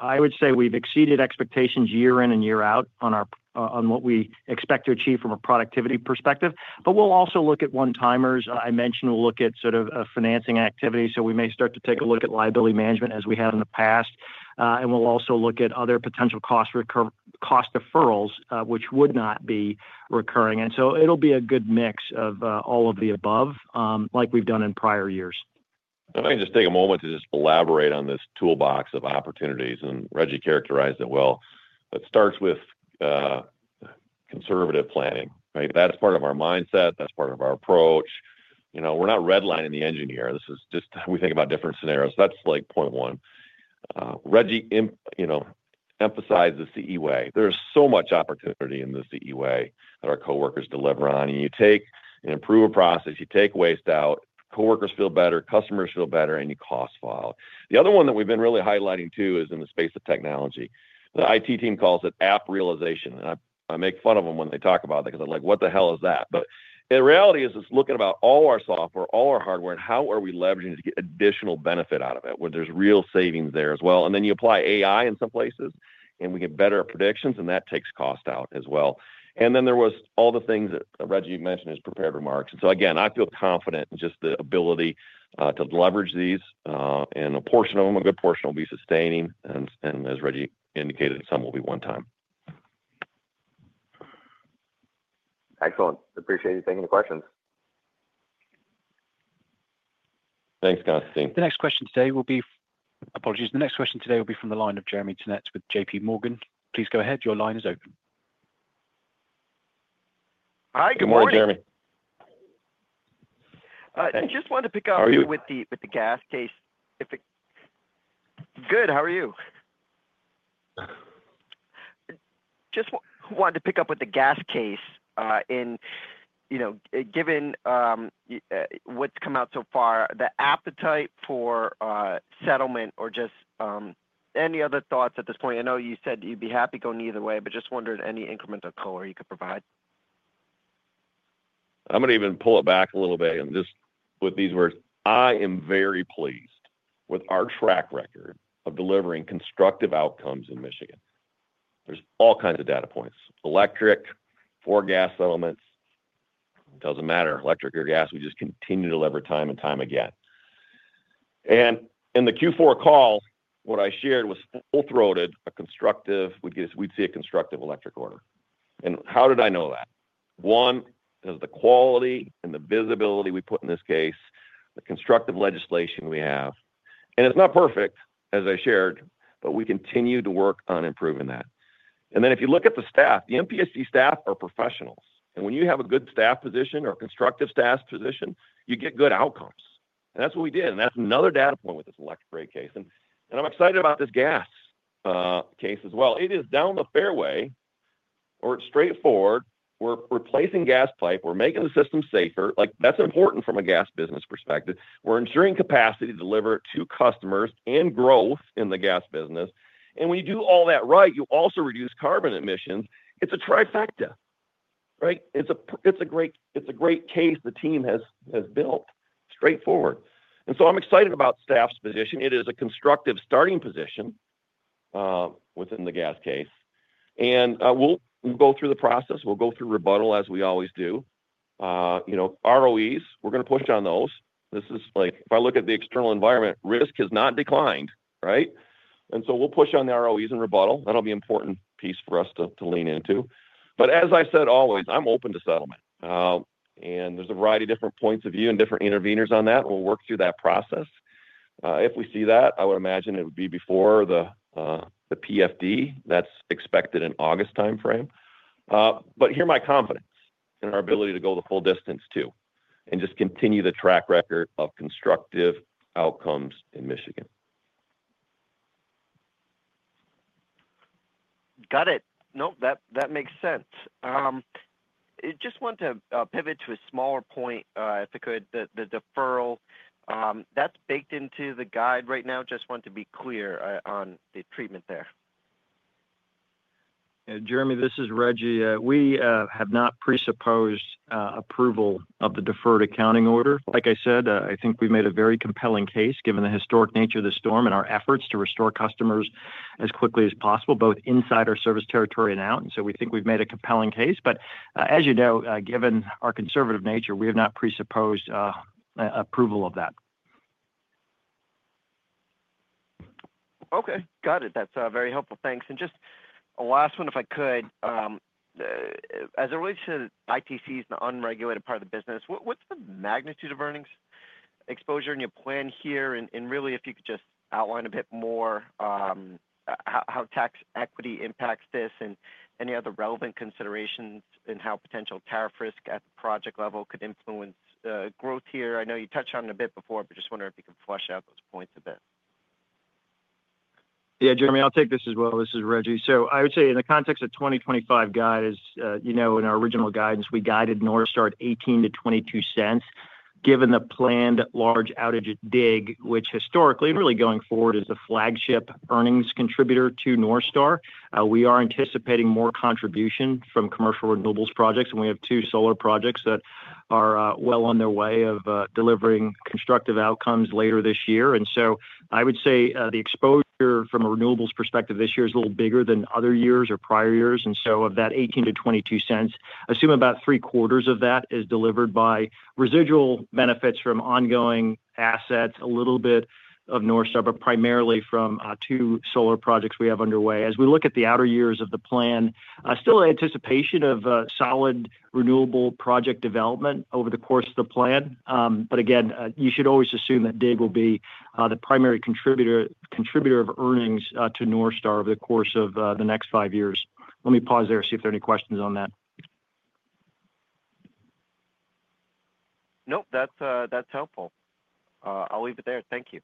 Speaker 4: I would say we've exceeded expectations year in and year out on what we expect to achieve from a productivity perspective. We'll also look at one-timers. I mentioned we'll look at sort of financing activity. We may start to take a look at liability management as we had in the past. We'll also look at other potential cost deferrals, which would not be recurring. It'll be a good mix of all of the above, like we've done in prior years.
Speaker 3: If I can just take a moment to just elaborate on this toolbox of opportunities, and Rejji characterized it well, it starts with conservative planning. That's part of our mindset. That's part of our approach. We're not redlining the engineer. This is just how we think about different scenarios. That's point one. Rejji emphasized the CEWA. There's so much opportunity in the CEWA that our coworkers deliver on. You take an improved process, you take waste out, coworkers feel better, customers feel better, and you cost file. The other one that we've been really highlighting too is in the space of technology. The IT team calls it app realization. I make fun of them when they talk about it because I'm like, "What the hell is that?" The reality is it's looking at all our software, all our hardware, and how are we leveraging to get additional benefit out of it, where there's real savings there as well. You apply AI in some places, and we get better predictions, and that takes cost out as well. There were all the things that Rejji mentioned in his prepared remarks. I feel confident in just the ability to leverage these. A portion of them, a good portion, will be sustaining. As Rejji indicated, some will be one-time.
Speaker 6: Excellent. Appreciate you taking the questions.
Speaker 3: Thanks, Constantine.
Speaker 1: The next question today will be—apologies. The next question today will be from the line of Jeremy Tonet with JP Morgan. Please go ahead. Your line is open.
Speaker 7: Hi, good morning, Jeremy.
Speaker 3: Good morning.
Speaker 7: I just wanted to pick up with the gas case.
Speaker 3: How are you?
Speaker 7: Good. How are you? Just wanted to pick up with the gas case. Given what's come out so far, the appetite for settlement or just any other thoughts at this point? I know you said you'd be happy going either way, but just wondering any incremental color you could provide.
Speaker 3: I'm going to even pull it back a little bit and just put these words. I am very pleased with our track record of delivering constructive outcomes in Michigan. There's all kinds of data points: electric, four-gas settlements. It doesn't matter—electric or gas—we just continue to deliver time and time again. In the Q4 call, what I shared was full-throated, a constructive—we'd see a constructive electric order. How did I know that? One, because of the quality and the visibility we put in this case, the constructive legislation we have. It's not perfect, as I shared, but we continue to work on improving that. If you look at the staff, the MPSC staff are professionals. When you have a good staff position or a constructive staff position, you get good outcomes. That's what we did. That is another data point with this electric rate case. I am excited about this gas case as well. It is down the fairway, or it is straightforward. We are replacing gas pipe. We are making the system safer. That is important from a gas business perspective. We are ensuring capacity to deliver to customers and growth in the gas business. When you do all that right, you also reduce carbon emissions. It is a trifecta. It is a great case the team has built. Straightforward. I am excited about staff's position. It is a constructive starting position within the gas case. We will go through the process. We will go through rebuttal as we always do. ROEs, we are going to push on those. If I look at the external environment, risk has not declined. We will push on the ROEs in rebuttal. That will be an important piece for us to lean into. As I said always, I'm open to settlement. There's a variety of different points of view and different intervenors on that. We'll work through that process. If we see that, I would imagine it would be before the PFD. That's expected in August timeframe. Here's my confidence in our ability to go the full distance too and just continue the track record of constructive outcomes in Michigan.
Speaker 7: Got it. No, that makes sense. Just wanted to pivot to a smaller point, if I could, the deferral. That's baked into the guide right now. Just wanted to be clear on the treatment there.
Speaker 4: Jeremy, this is Rejji. We have not presupposed approval of the deferred accounting order. Like I said, I think we've made a very compelling case given the historic nature of the storm and our efforts to restore customers as quickly as possible, both inside our service territory and out. We think we've made a compelling case. As you know, given our conservative nature, we have not presupposed approval of that.
Speaker 7: Okay. Got it. That's very helpful. Thanks. Just a last one, if I could. As it relates to ITCs and the unregulated part of the business, what's the magnitude of earnings exposure in your plan here? Really, if you could just outline a bit more how tax equity impacts this and any other relevant considerations and how potential tariff risk at the project level could influence growth here. I know you touched on it a bit before, but just wondering if you could flesh out those points a bit.
Speaker 4: Yeah, Jeremy, I'll take this as well. This is Rejji. I would say in the context of 2025 guidance, in our original guidance, we guided NorthStar at $0.18-$0.22 given the planned large outage at DIG, which historically and really going forward is the flagship earnings contributor to NorthStar. We are anticipating more contribution from commercial renewables projects. We have two solar projects that are well on their way of delivering constructive outcomes later this year. I would say the exposure from a renewables perspective this year is a little bigger than other years or prior years. Of that $0.18-$0.22, I assume about three-quarters of that is delivered by residual benefits from ongoing assets, a little bit of NorthStar, but primarily from two solar projects we have underway. As we look at the outer years of the plan, still anticipation of solid renewable project development over the course of the plan. Again, you should always assume that DIG will be the primary contributor of earnings to NorthStar over the course of the next five years. Let me pause there and see if there are any questions on that.
Speaker 3: Nope, that's helpful. I'll leave it there. Thank you.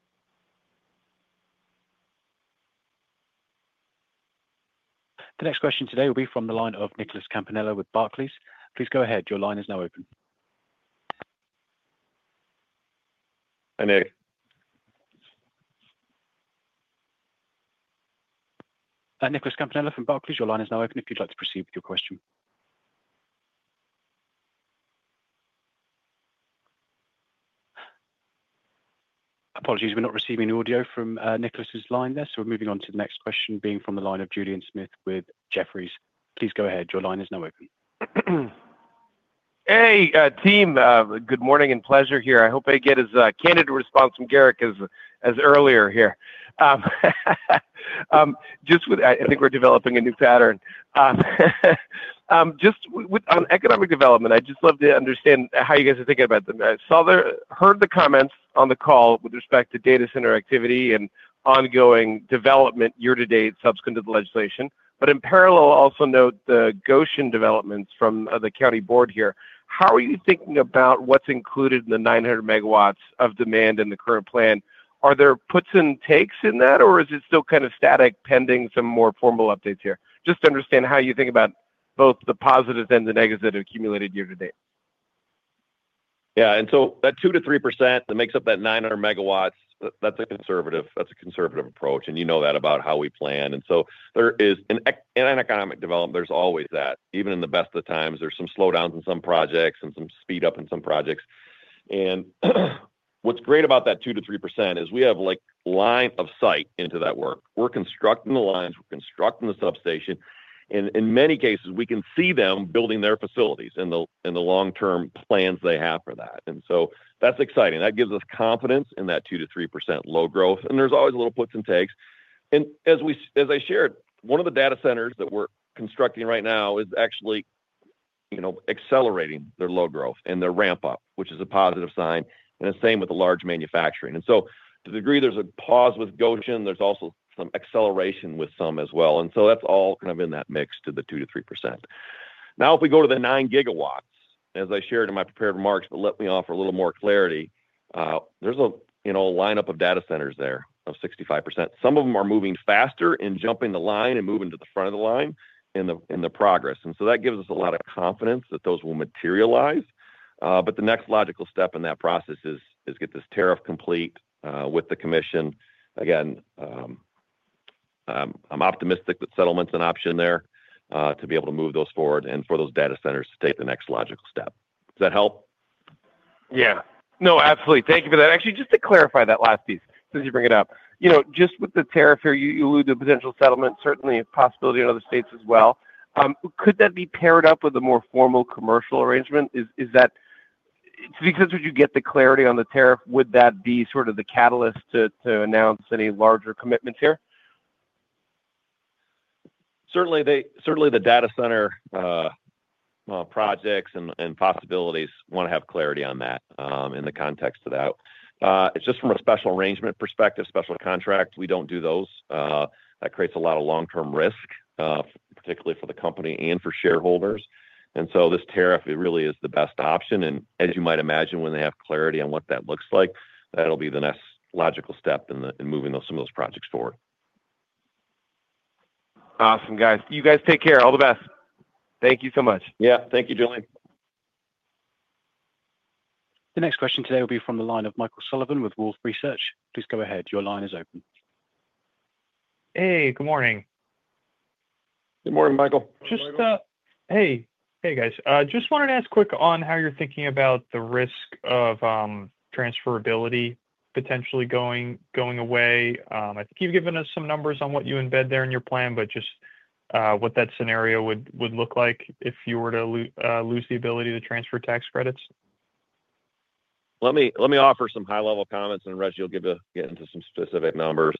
Speaker 1: The next question today will be from the line of Nicholas Campanella with Barclays. Please go ahead. Your line is now open.
Speaker 3: Hi, Nick.
Speaker 1: Nicholas Campanella from Barclays. Your line is now open. If you'd like to proceed with your question. Apologies. We're not receiving audio from Nicholas's line there. So we're moving on to the next question being from the line of Julian Smith with Jefferies. Please go ahead. Your line is now open.
Speaker 8: Hey, team. Good morning and pleasure here. I hope I get as candid a response from Garrick as earlier here. I think we're developing a new pattern. Just on economic development, I'd just love to understand how you guys are thinking about them. I heard the comments on the call with respect to data center activity and ongoing development year-to-date subsequent to the legislation. In parallel, I'll also note the Goshen developments from the county board here. How are you thinking about what's included in the 900 megawatts of demand in the current plan? Are there puts and takes in that, or is it still kind of static pending some more formal updates here? Just to understand how you think about both the positives and the negatives that are accumulated year-to-date.
Speaker 3: Yeah. That 2-3% that makes up that 900 megawatts, that's a conservative approach. You know that about how we plan. There is an economic development. There's always that. Even in the best of times, there's some slowdowns in some projects and some speed-up in some projects. What's great about that 2-3% is we have line of sight into that work. We're constructing the lines. We're constructing the substation. In many cases, we can see them building their facilities in the long-term plans they have for that. That's exciting. That gives us confidence in that 2-3% low growth. There's always a little puts and takes. As I shared, one of the data centers that we're constructing right now is actually accelerating their load growth and their ramp-up, which is a positive sign. The same with the large manufacturing. To the degree there's a pause with Goshen, there's also some acceleration with some as well. That is all kind of in that mix to the 2-3%. Now, if we go to the 9 gigawatts, as I shared in my prepared remarks, let me offer a little more clarity. There is a lineup of data centers there of 65%. Some of them are moving faster and jumping the line and moving to the front of the line in the progress. That gives us a lot of confidence that those will materialize. The next logical step in that process is to get this tariff complete with the commission. Again, I'm optimistic that settlement's an option there to be able to move those forward and for those data centers to take the next logical step. Does that help?
Speaker 8: Yeah. No, absolutely. Thank you for that. Actually, just to clarify that last piece, since you bring it up, just with the tariff here, you alluded to potential settlement, certainly a possibility in other states as well. Could that be paired up with a more formal commercial arrangement? Because once you get the clarity on the tariff, would that be sort of the catalyst to announce any larger commitments here?
Speaker 3: Certainly, the data center projects and possibilities want to have clarity on that in the context of that. It's just from a special arrangement perspective, special contract, we don't do those. That creates a lot of long-term risk, particularly for the company and for shareholders. This tariff, it really is the best option. As you might imagine, when they have clarity on what that looks like, that'll be the next logical step in moving some of those projects forward.
Speaker 8: Awesome, guys. You guys take care. All the best. Thank you so much.
Speaker 3: Yeah. Thank you, Julien.
Speaker 1: The next question today will be from the line of Michael Sullivan with Wolfe Research. Please go ahead. Your line is open.
Speaker 9: Hey, good morning.
Speaker 3: Good morning, Michael.
Speaker 9: Just. Hey. Hey, guys. Just wanted to ask quick on how you're thinking about the risk of transferability potentially going away. I think you've given us some numbers on what you embed there in your plan, but just what that scenario would look like if you were to lose the ability to transfer tax credits.
Speaker 3: Let me offer some high-level comments, and Rejji, you'll get into some specific numbers.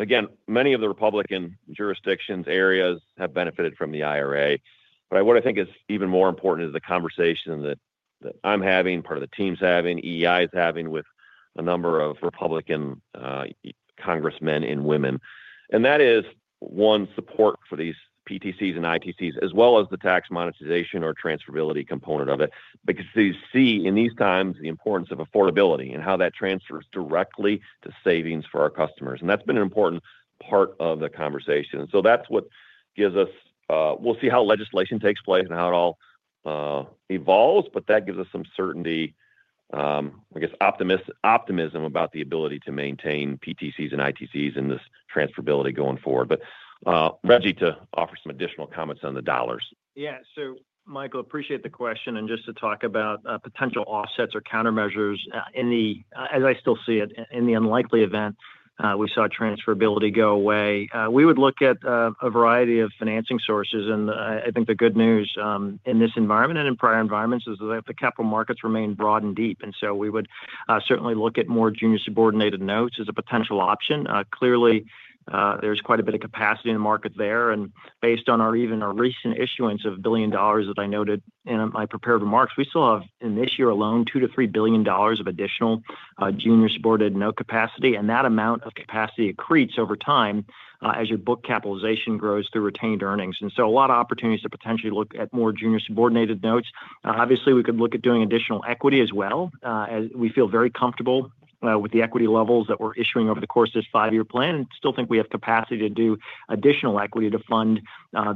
Speaker 3: Again, many of the Republican jurisdictions, areas have benefited from the IRA. What I think is even more important is the conversation that I'm having, part of the team's having, EEI's having with a number of Republican congressmen and women. That is one support for these PTCs and ITCs, as well as the tax monetization or transferability component of it, because they see in these times the importance of affordability and how that transfers directly to savings for our customers. That's been an important part of the conversation. That gives us—we'll see how legislation takes place and how it all evolves, but that gives us some certainty, I guess, optimism about the ability to maintain PTCs and ITCs and this transferability going forward. Rejji, to offer some additional comments on the dollars.
Speaker 4: Yeah. Michael, appreciate the question. Just to talk about potential offsets or countermeasures, as I still see it, in the unlikely event we saw transferability go away, we would look at a variety of financing sources. I think the good news in this environment and in prior environments is that the capital markets remain broad and deep. We would certainly look at more junior subordinated notes as a potential option. Clearly, there is quite a bit of capacity in the market there. Based on even our recent issuance of $1 billion that I noted in my prepared remarks, we still have, in this year alone, $2 billion-$3 billion of additional junior subordinated note capacity. That amount of capacity accretes over time as your book capitalization grows through retained earnings. A lot of opportunities to potentially look at more junior subordinated notes. Obviously, we could look at doing additional equity as well. We feel very comfortable with the equity levels that we're issuing over the course of this five-year plan and still think we have capacity to do additional equity to fund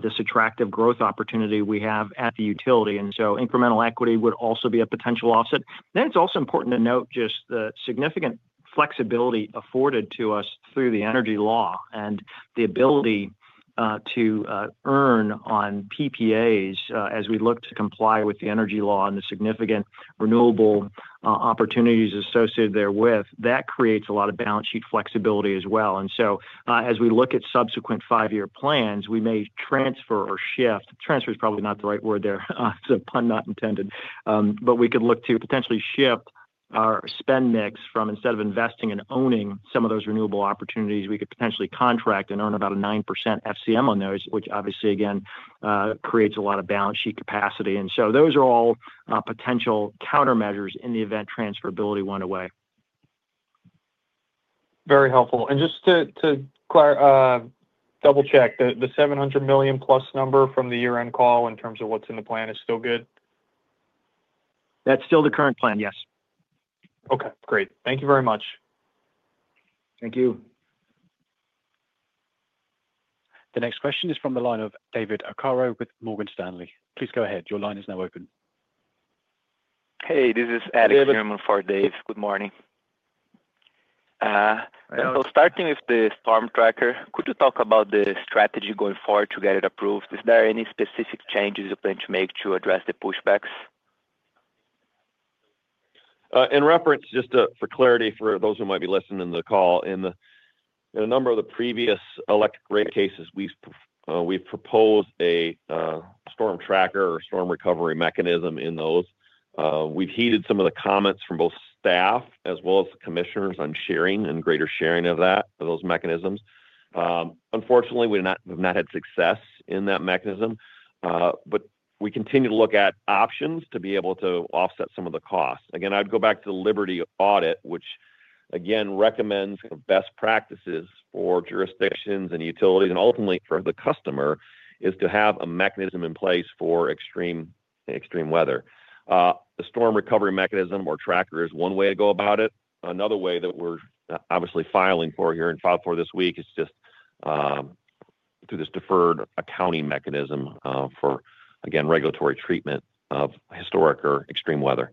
Speaker 4: this attractive growth opportunity we have at the utility. Incremental equity would also be a potential offset. It is also important to note just the significant flexibility afforded to us through the energy law and the ability to earn on PPAs as we look to comply with the energy law and the significant renewable opportunities associated therewith. That creates a lot of balance sheet flexibility as well. As we look at subsequent five-year plans, we may transfer or shift—transfer is probably not the right word there. Pun not intended. We could look to potentially shift our spend mix from instead of investing and owning some of those renewable opportunities, we could potentially contract and earn about a 9% FCM on those, which obviously, again, creates a lot of balance sheet capacity. Those are all potential countermeasures in the event transferability went away.
Speaker 9: Very helpful. Just to double-check, the $700 million-plus number from the year-end call in terms of what's in the plan is still good?
Speaker 4: That's still the current plan, yes.
Speaker 9: Okay. Great. Thank you very much.
Speaker 3: Thank you.
Speaker 1: The next question is from the line of David Ocarro with Morgan Stanley. Please go ahead. Your line is now open.
Speaker 10: Hey, this is Alex German for Dave. Good morning. Starting with the storm tracker, could you talk about the strategy going forward to get it approved? Is there any specific changes you plan to make to address the pushbacks?
Speaker 3: In reference, just for clarity for those who might be listening to the call, in a number of the previous electric rate cases, we've proposed a storm tracker or storm recovery mechanism in those. We've heeded some of the comments from both staff as well as the commissioners on sharing and greater sharing of those mechanisms. Unfortunately, we have not had success in that mechanism. We continue to look at options to be able to offset some of the costs. Again, I'd go back to the Liberty audit, which, again, recommends best practices for jurisdictions and utilities and ultimately for the customer is to have a mechanism in place for extreme weather. The storm recovery mechanism or tracker is one way to go about it. Another way that we're obviously filing for here and filed for this week is just through this deferred accounting mechanism for, again, regulatory treatment of historic or extreme weather.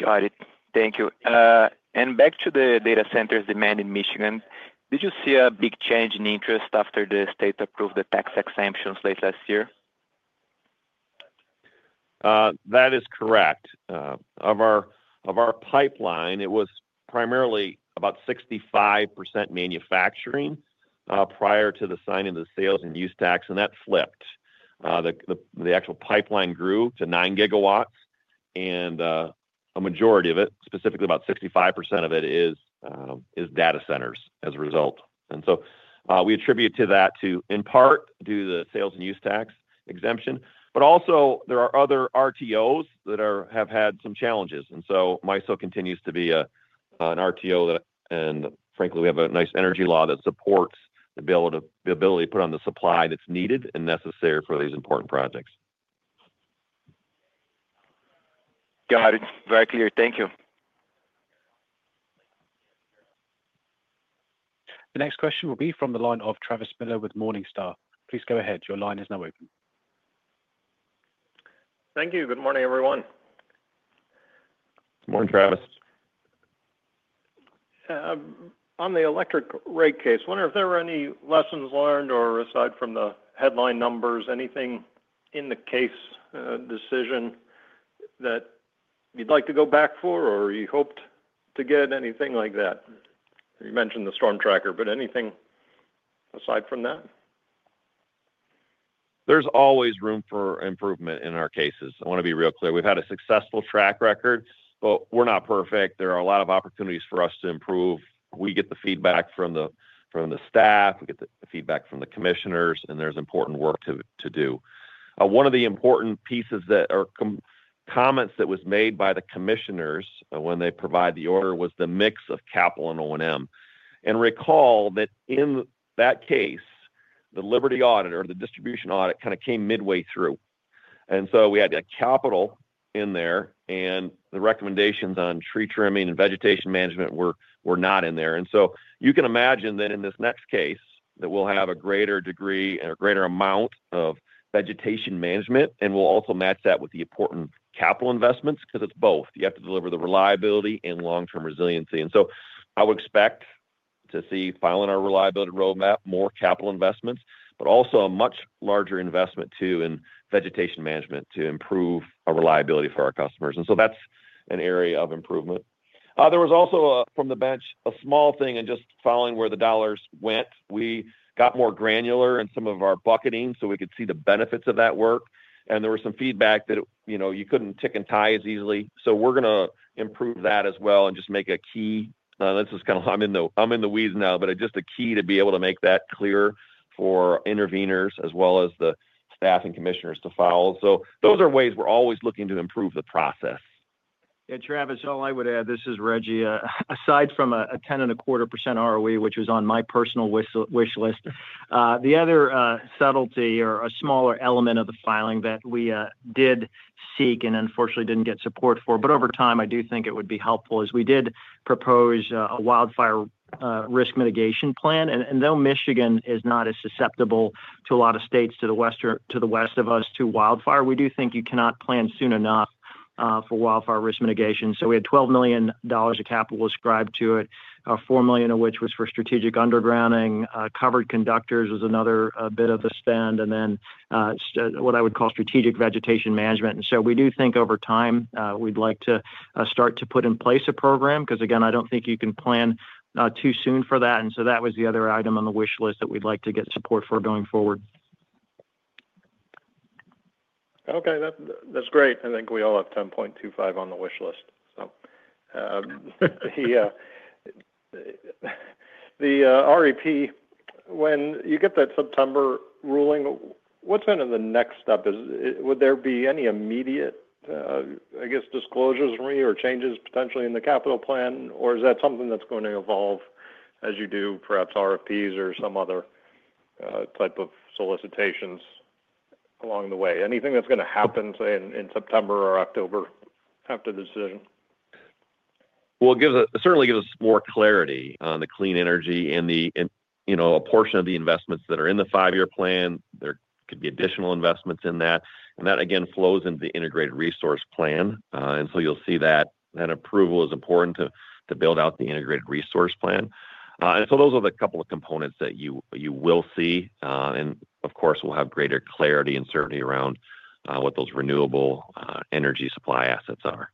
Speaker 10: Got it. Thank you. Back to the data centers demand in Michigan, did you see a big change in interest after the state approved the tax exemptions late last year?
Speaker 3: That is correct. Of our pipeline, it was primarily about 65% manufacturing prior to the signing of the sales and use tax, and that flipped. The actual pipeline grew to 9 gigawatts, and a majority of it, specifically about 65% of it, is data centers as a result. We attribute that to, in part, due to the sales and use tax exemption. There are other RTOs that have had some challenges. MISO continues to be an RTO, and frankly, we have a nice energy law that supports the ability to put on the supply that is needed and necessary for these important projects.
Speaker 10: Got it. Very clear. Thank you.
Speaker 1: The next question will be from the line of Travis Miller with Morningstar. Please go ahead. Your line is now open.
Speaker 11: Thank you. Good morning, everyone.
Speaker 3: Good morning, Travis. On the electric rate case, wonder if there were any lessons learned or, aside from the headline numbers, anything in the case decision that you'd like to go back for or you hoped to get? Anything like that? You mentioned the storm tracker, but anything aside from that? There's always room for improvement in our cases. I want to be real clear. We've had a successful track record, but we're not perfect. There are a lot of opportunities for us to improve. We get the feedback from the staff. We get the feedback from the commissioners, and there's important work to do. One of the important pieces that are comments that was made by the commissioners when they provide the order was the mix of capital and O&M. Recall that in that case, the Liberty audit or the distribution audit kind of came midway through. We had capital in there, and the recommendations on tree trimming and vegetation management were not in there. You can imagine that in this next case, that we will have a greater degree and a greater amount of vegetation management, and we will also match that with the important capital investments because it is both. You have to deliver the reliability and long-term resiliency. I would expect to see filing our reliability roadmap, more capital investments, but also a much larger investment too in vegetation management to improve our reliability for our customers. That is an area of improvement. There was also, from the bench, a small thing in just following where the dollars went. We got more granular in some of our bucketing so we could see the benefits of that work. There was some feedback that you could not tick and tie as easily. We're going to improve that as well and just make a key—this is kind of—I'm in the weeds now, but just a key to be able to make that clear for interveners as well as the staff and commissioners to file. Those are ways we're always looking to improve the process.
Speaker 4: Yeah, Travis, all I would add—this is Rejji—aside from a 10.25% ROE, which was on my personal wish list, the other subtlety or a smaller element of the filing that we did seek and unfortunately did not get support for, but over time, I do think it would be helpful, is we did propose a wildfire risk mitigation plan. Though Michigan is not as susceptible as a lot of states to the west of us to wildfire, we do think you cannot plan soon enough for wildfire risk mitigation. We had $12 million of capital ascribed to it, $4 million of which was for strategic undergrounding. Covered conductors was another bit of the spend, and then what I would call strategic vegetation management. We do think over time we'd like to start to put in place a program because, again, I don't think you can plan too soon for that. That was the other item on the wish list that we'd like to get support for going forward.
Speaker 11: Okay. That's great. I think we all have 10.25 on the wish list. The REP, when you get that September ruling, what's kind of the next step? Would there be any immediate, I guess, disclosures or changes potentially in the capital plan, or is that something that's going to evolve as you do perhaps RFPs or some other type of solicitations along the way? Anything that's going to happen, say, in September or October after the decision?
Speaker 3: It certainly gives us more clarity on the clean energy and a portion of the investments that are in the five-year plan. There could be additional investments in that. That, again, flows into the integrated resource plan. You will see that approval is important to build out the integrated resource plan. Those are the couple of components that you will see. Of course, we will have greater clarity and certainty around what those renewable energy supply assets are.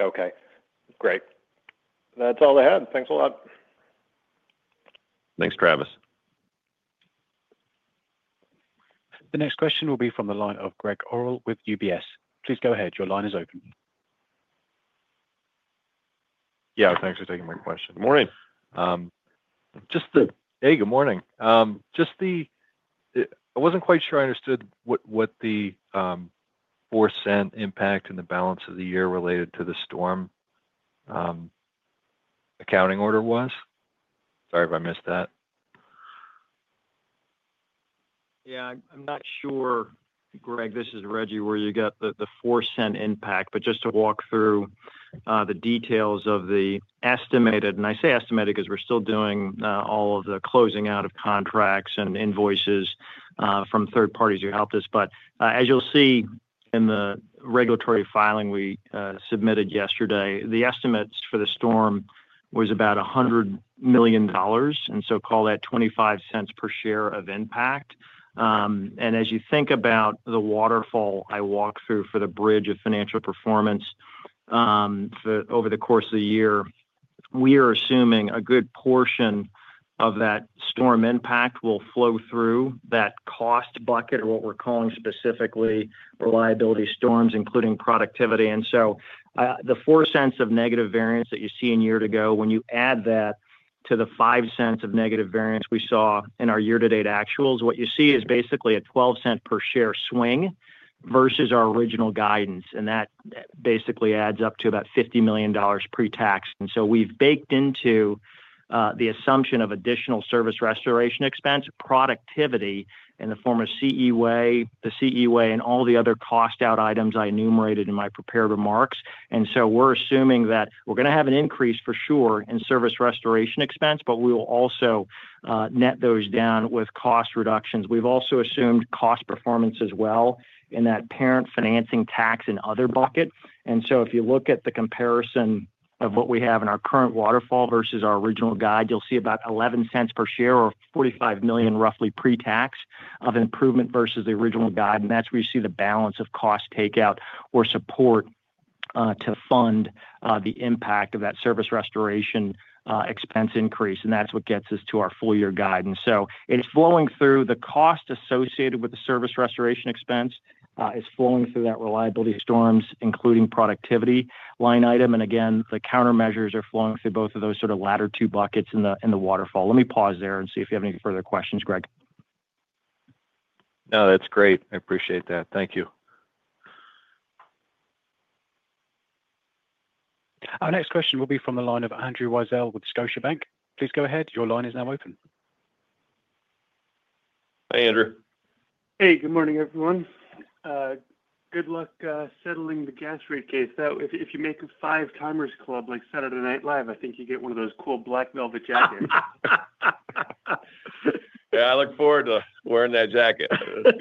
Speaker 11: Okay. Great. That's all I had. Thanks a lot.
Speaker 3: Thanks, Travis.
Speaker 1: The next question will be from the line of Gregg Orrill with UBS. Please go ahead. Your line is open.
Speaker 12: Yeah. Thanks for taking my question. Good morning.
Speaker 3: Hey, good morning.
Speaker 12: I was not quite sure I understood what the 4-cent impact in the balance of the year related to the storm accounting order was. Sorry if I missed that.
Speaker 4: Yeah. I'm not sure, Gregg, this is Rejji, where you got the 4% impact, but just to walk through the details of the estimated—and I say estimated because we're still doing all of the closing out of contracts and invoices from third parties who helped us. As you'll see in the regulatory filing we submitted yesterday, the estimates for the storm was about $100 million, so call that $0.25 per share of impact. As you think about the waterfall I walked through for the bridge of financial performance over the course of the year, we are assuming a good portion of that storm impact will flow through that cost bucket or what we're calling specifically reliability storms, including productivity. The 4 cents of negative variance that you see in year-to-go, when you add that to the 5 cents of negative variance we saw in our year-to-date actuals, what you see is basically a 12-cent per share swing versus our original guidance. That basically adds up to about $50 million pre-tax. We have baked into the assumption of additional service restoration expense, productivity in the form of CEWA and all the other cost-out items I enumerated in my prepared remarks. We are assuming that we are going to have an increase for sure in service restoration expense, but we will also net those down with cost reductions. We have also assumed cost performance as well in that parent financing tax and other bucket. If you look at the comparison of what we have in our current waterfall versus our original guide, you'll see about $0.11 per share or $45 million, roughly pre-tax, of improvement versus the original guide. That's where you see the balance of cost takeout or support to fund the impact of that service restoration expense increase. That's what gets us to our full-year guidance. It's flowing through the cost associated with the service restoration expense. It's flowing through that reliability storms, including productivity line item. Again, the countermeasures are flowing through both of those sort of latter two buckets in the waterfall. Let me pause there and see if you have any further questions, Gregg.
Speaker 12: No, that's great. I appreciate that. Thank you.
Speaker 1: Our next question will be from the line of Andrew Weisel with Scotiabank. Please go ahead. Your line is now open.
Speaker 3: Hey, Andrew.
Speaker 13: Hey, good morning, everyone. Good luck settling the gas rate case. If you make a five-timers club like Saturday Night Live, I think you get one of those cool black velvet jackets.
Speaker 3: Yeah, I look forward to wearing that jacket. That's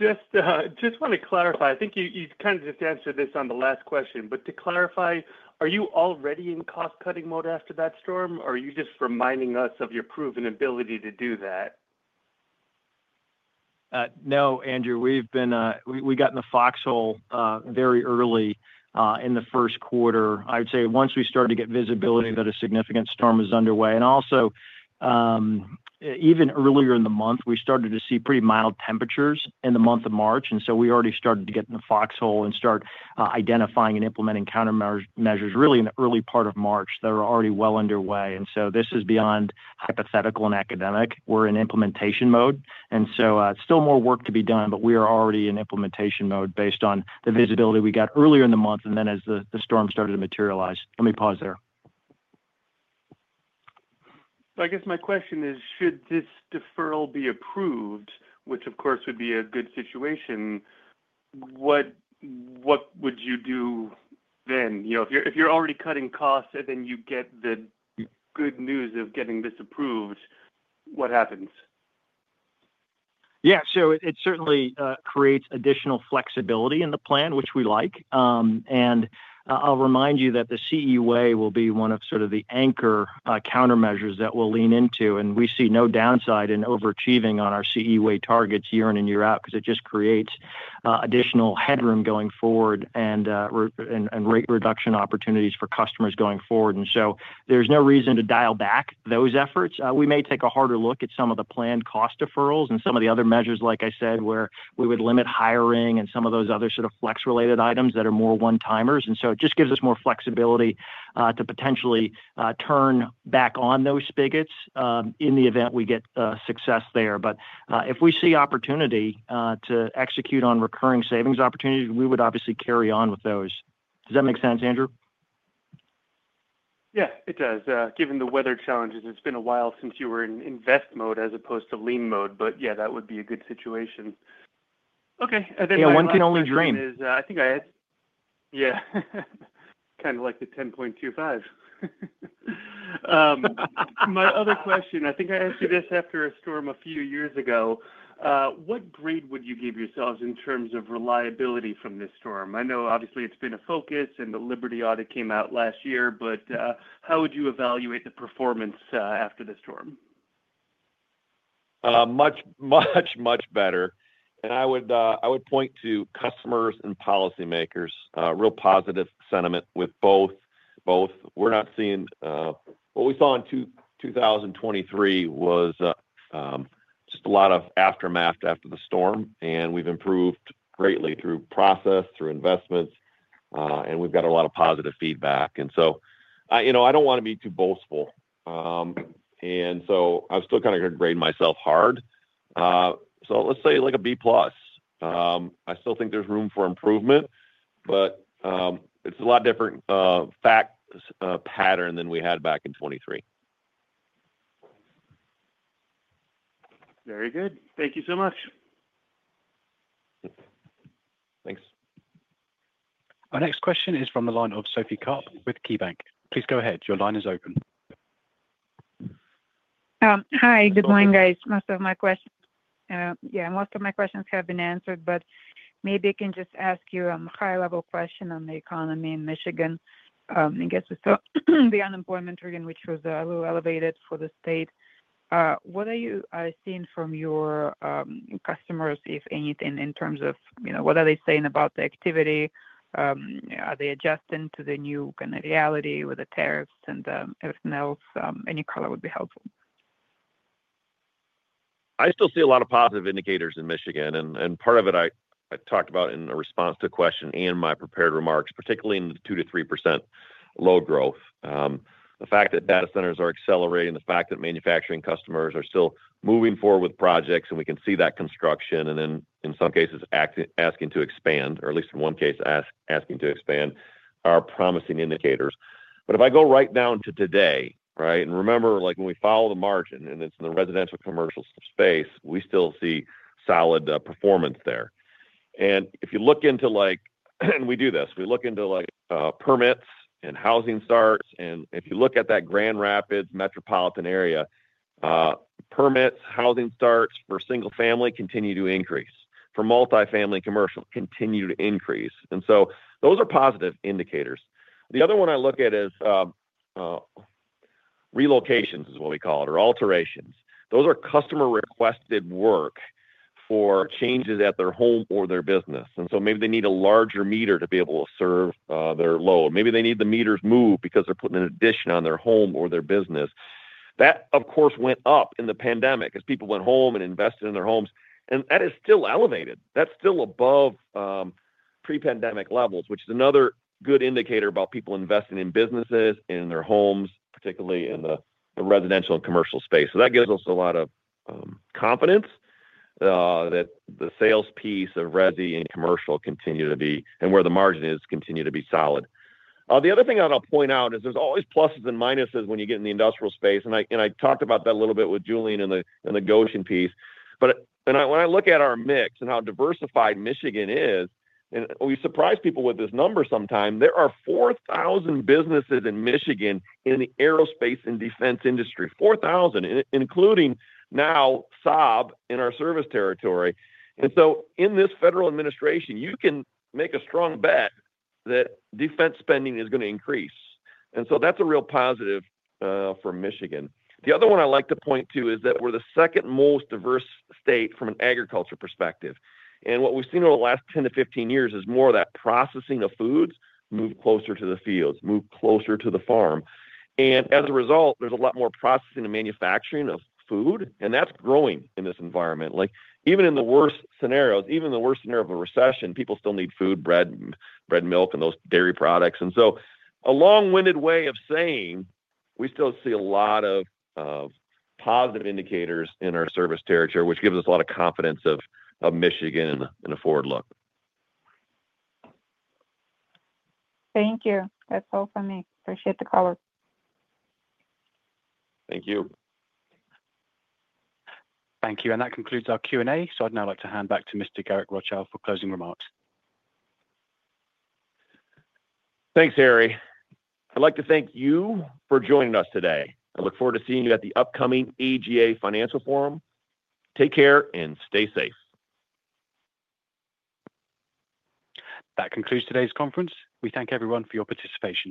Speaker 3: good.
Speaker 13: Just want to clarify. I think you kind of just answered this on the last question, but to clarify, are you already in cost-cutting mode after that storm, or are you just reminding us of your proven ability to do that?
Speaker 4: No, Andrew. We got in the foxhole very early in the first quarter. I would say once we started to get visibility that a significant storm was underway. Also, even earlier in the month, we started to see pretty mild temperatures in the month of March. We already started to get in the foxhole and start identifying and implementing countermeasures really in the early part of March. They were already well underway. This is beyond hypothetical and academic. We are in implementation mode. Still more work to be done, but we are already in implementation mode based on the visibility we got earlier in the month and then as the storm started to materialize. Let me pause there.
Speaker 13: I guess my question is, should this deferral be approved, which of course would be a good situation, what would you do then? If you're already cutting costs and then you get the good news of getting this approved, what happens? Yeah. It certainly creates additional flexibility in the plan, which we like. I'll remind you that the CEWA will be one of the anchor countermeasures that we'll lean into. We see no downside in overachieving on our CEWA targets year in and year out because it just creates additional headroom going forward and rate reduction opportunities for customers going forward. There is no reason to dial back those efforts. We may take a harder look at some of the planned cost deferrals and some of the other measures, like I said, where we would limit hiring and some of those other flex-related items that are more one-timers. It just gives us more flexibility to potentially turn back on those spigots in the event we get success there.
Speaker 4: If we see opportunity to execute on recurring savings opportunities, we would obviously carry on with those. Does that make sense, Andrew?
Speaker 13: Yeah, it does. Given the weather challenges, it's been a while since you were in invest mode as opposed to lean mode. That would be a good situation.
Speaker 4: Okay. Yeah, one can only dream.
Speaker 13: I think I had. Yeah. Kind of like the 10.25. My other question, I think I asked you this after a storm a few years ago. What grade would you give yourselves in terms of reliability from this storm? I know, obviously, it's been a focus and the Liberty audit came out last year, but how would you evaluate the performance after the storm?
Speaker 3: Much, much, much better. I would point to customers and policymakers, real positive sentiment with both. We're not seeing what we saw in 2023, which was just a lot of aftermath after the storm. We've improved greatly through process, through investments, and we've got a lot of positive feedback. I do not want to be too boastful. I have still kind of got to grade myself hard. Let's say like a B plus. I still think there's room for improvement, but it's a lot different fact pattern than we had back in 2023.
Speaker 13: Very good. Thank you so much.
Speaker 3: Thanks.
Speaker 1: Our next question is from the line of Sophie Karp with KeyBank. Please go ahead. Your line is open.
Speaker 14: Hi. Good morning, guys. Most of my questions, yeah, most of my questions have been answered, but maybe I can just ask you a high-level question on the economy in Michigan. I guess the unemployment rate, which was a little elevated for the state, what are you seeing from your customers, if anything, in terms of what are they saying about the activity? Are they adjusting to the new kind of reality with the tariffs and everything else? Any color would be helpful.
Speaker 3: I still see a lot of positive indicators in Michigan. Part of it I talked about in response to a question in my prepared remarks, particularly in the 2-3% low growth. The fact that data centers are accelerating, the fact that manufacturing customers are still moving forward with projects, and we can see that construction, and then in some cases asking to expand, or at least in one case asking to expand, are promising indicators. If I go right down to today, right, and remember when we follow the margin and it is in the residential commercial space, we still see solid performance there. If you look into—and we do this—we look into permits and housing starts. If you look at that Grand Rapids metropolitan area, permits, housing starts for single-family continue to increase. For multifamily commercial, continue to increase. Those are positive indicators. The other one I look at is relocations, is what we call it, or alterations. Those are customer-requested work for changes at their home or their business. Maybe they need a larger meter to be able to serve their load. Maybe they need the meters moved because they're putting an addition on their home or their business. That, of course, went up in the pandemic as people went home and invested in their homes. That is still elevated. That's still above pre-pandemic levels, which is another good indicator about people investing in businesses and in their homes, particularly in the residential and commercial space. That gives us a lot of confidence that the sales piece of resi and commercial continue to be—and where the margin is—continue to be solid. The other thing I'll point out is there's always pluses and minuses when you get in the industrial space. I talked about that a little bit with Julien in the Goshen piece. When I look at our mix and how diversified Michigan is, and we surprise people with this number sometimes, there are 4,000 businesses in Michigan in the aerospace and defense industry. 4,000, including now Saab in our service territory. In this federal administration, you can make a strong bet that defense spending is going to increase. That is a real positive for Michigan. The other one I like to point to is that we're the second most diverse state from an agriculture perspective. What we've seen over the last 10 to 15 years is more of that processing of foods move closer to the fields, move closer to the farm. As a result, there's a lot more processing and manufacturing of food, and that's growing in this environment. Even in the worst scenarios, even in the worst scenario of a recession, people still need food, bread, milk, and those dairy products. A long-winded way of saying we still see a lot of positive indicators in our service territory, which gives us a lot of confidence of Michigan and a forward look.
Speaker 14: Thank you. That's all for me. Appreciate the call.
Speaker 3: Thank you.
Speaker 1: Thank you. That concludes our Q&A. I would now like to hand back to Mr. Garrick Rochow for closing remarks.
Speaker 3: Thanks, Harry. I'd like to thank you for joining us today. I look forward to seeing you at the upcoming EEI Financial Forum. Take care and stay safe.
Speaker 1: That concludes today's conference. We thank everyone for your participation.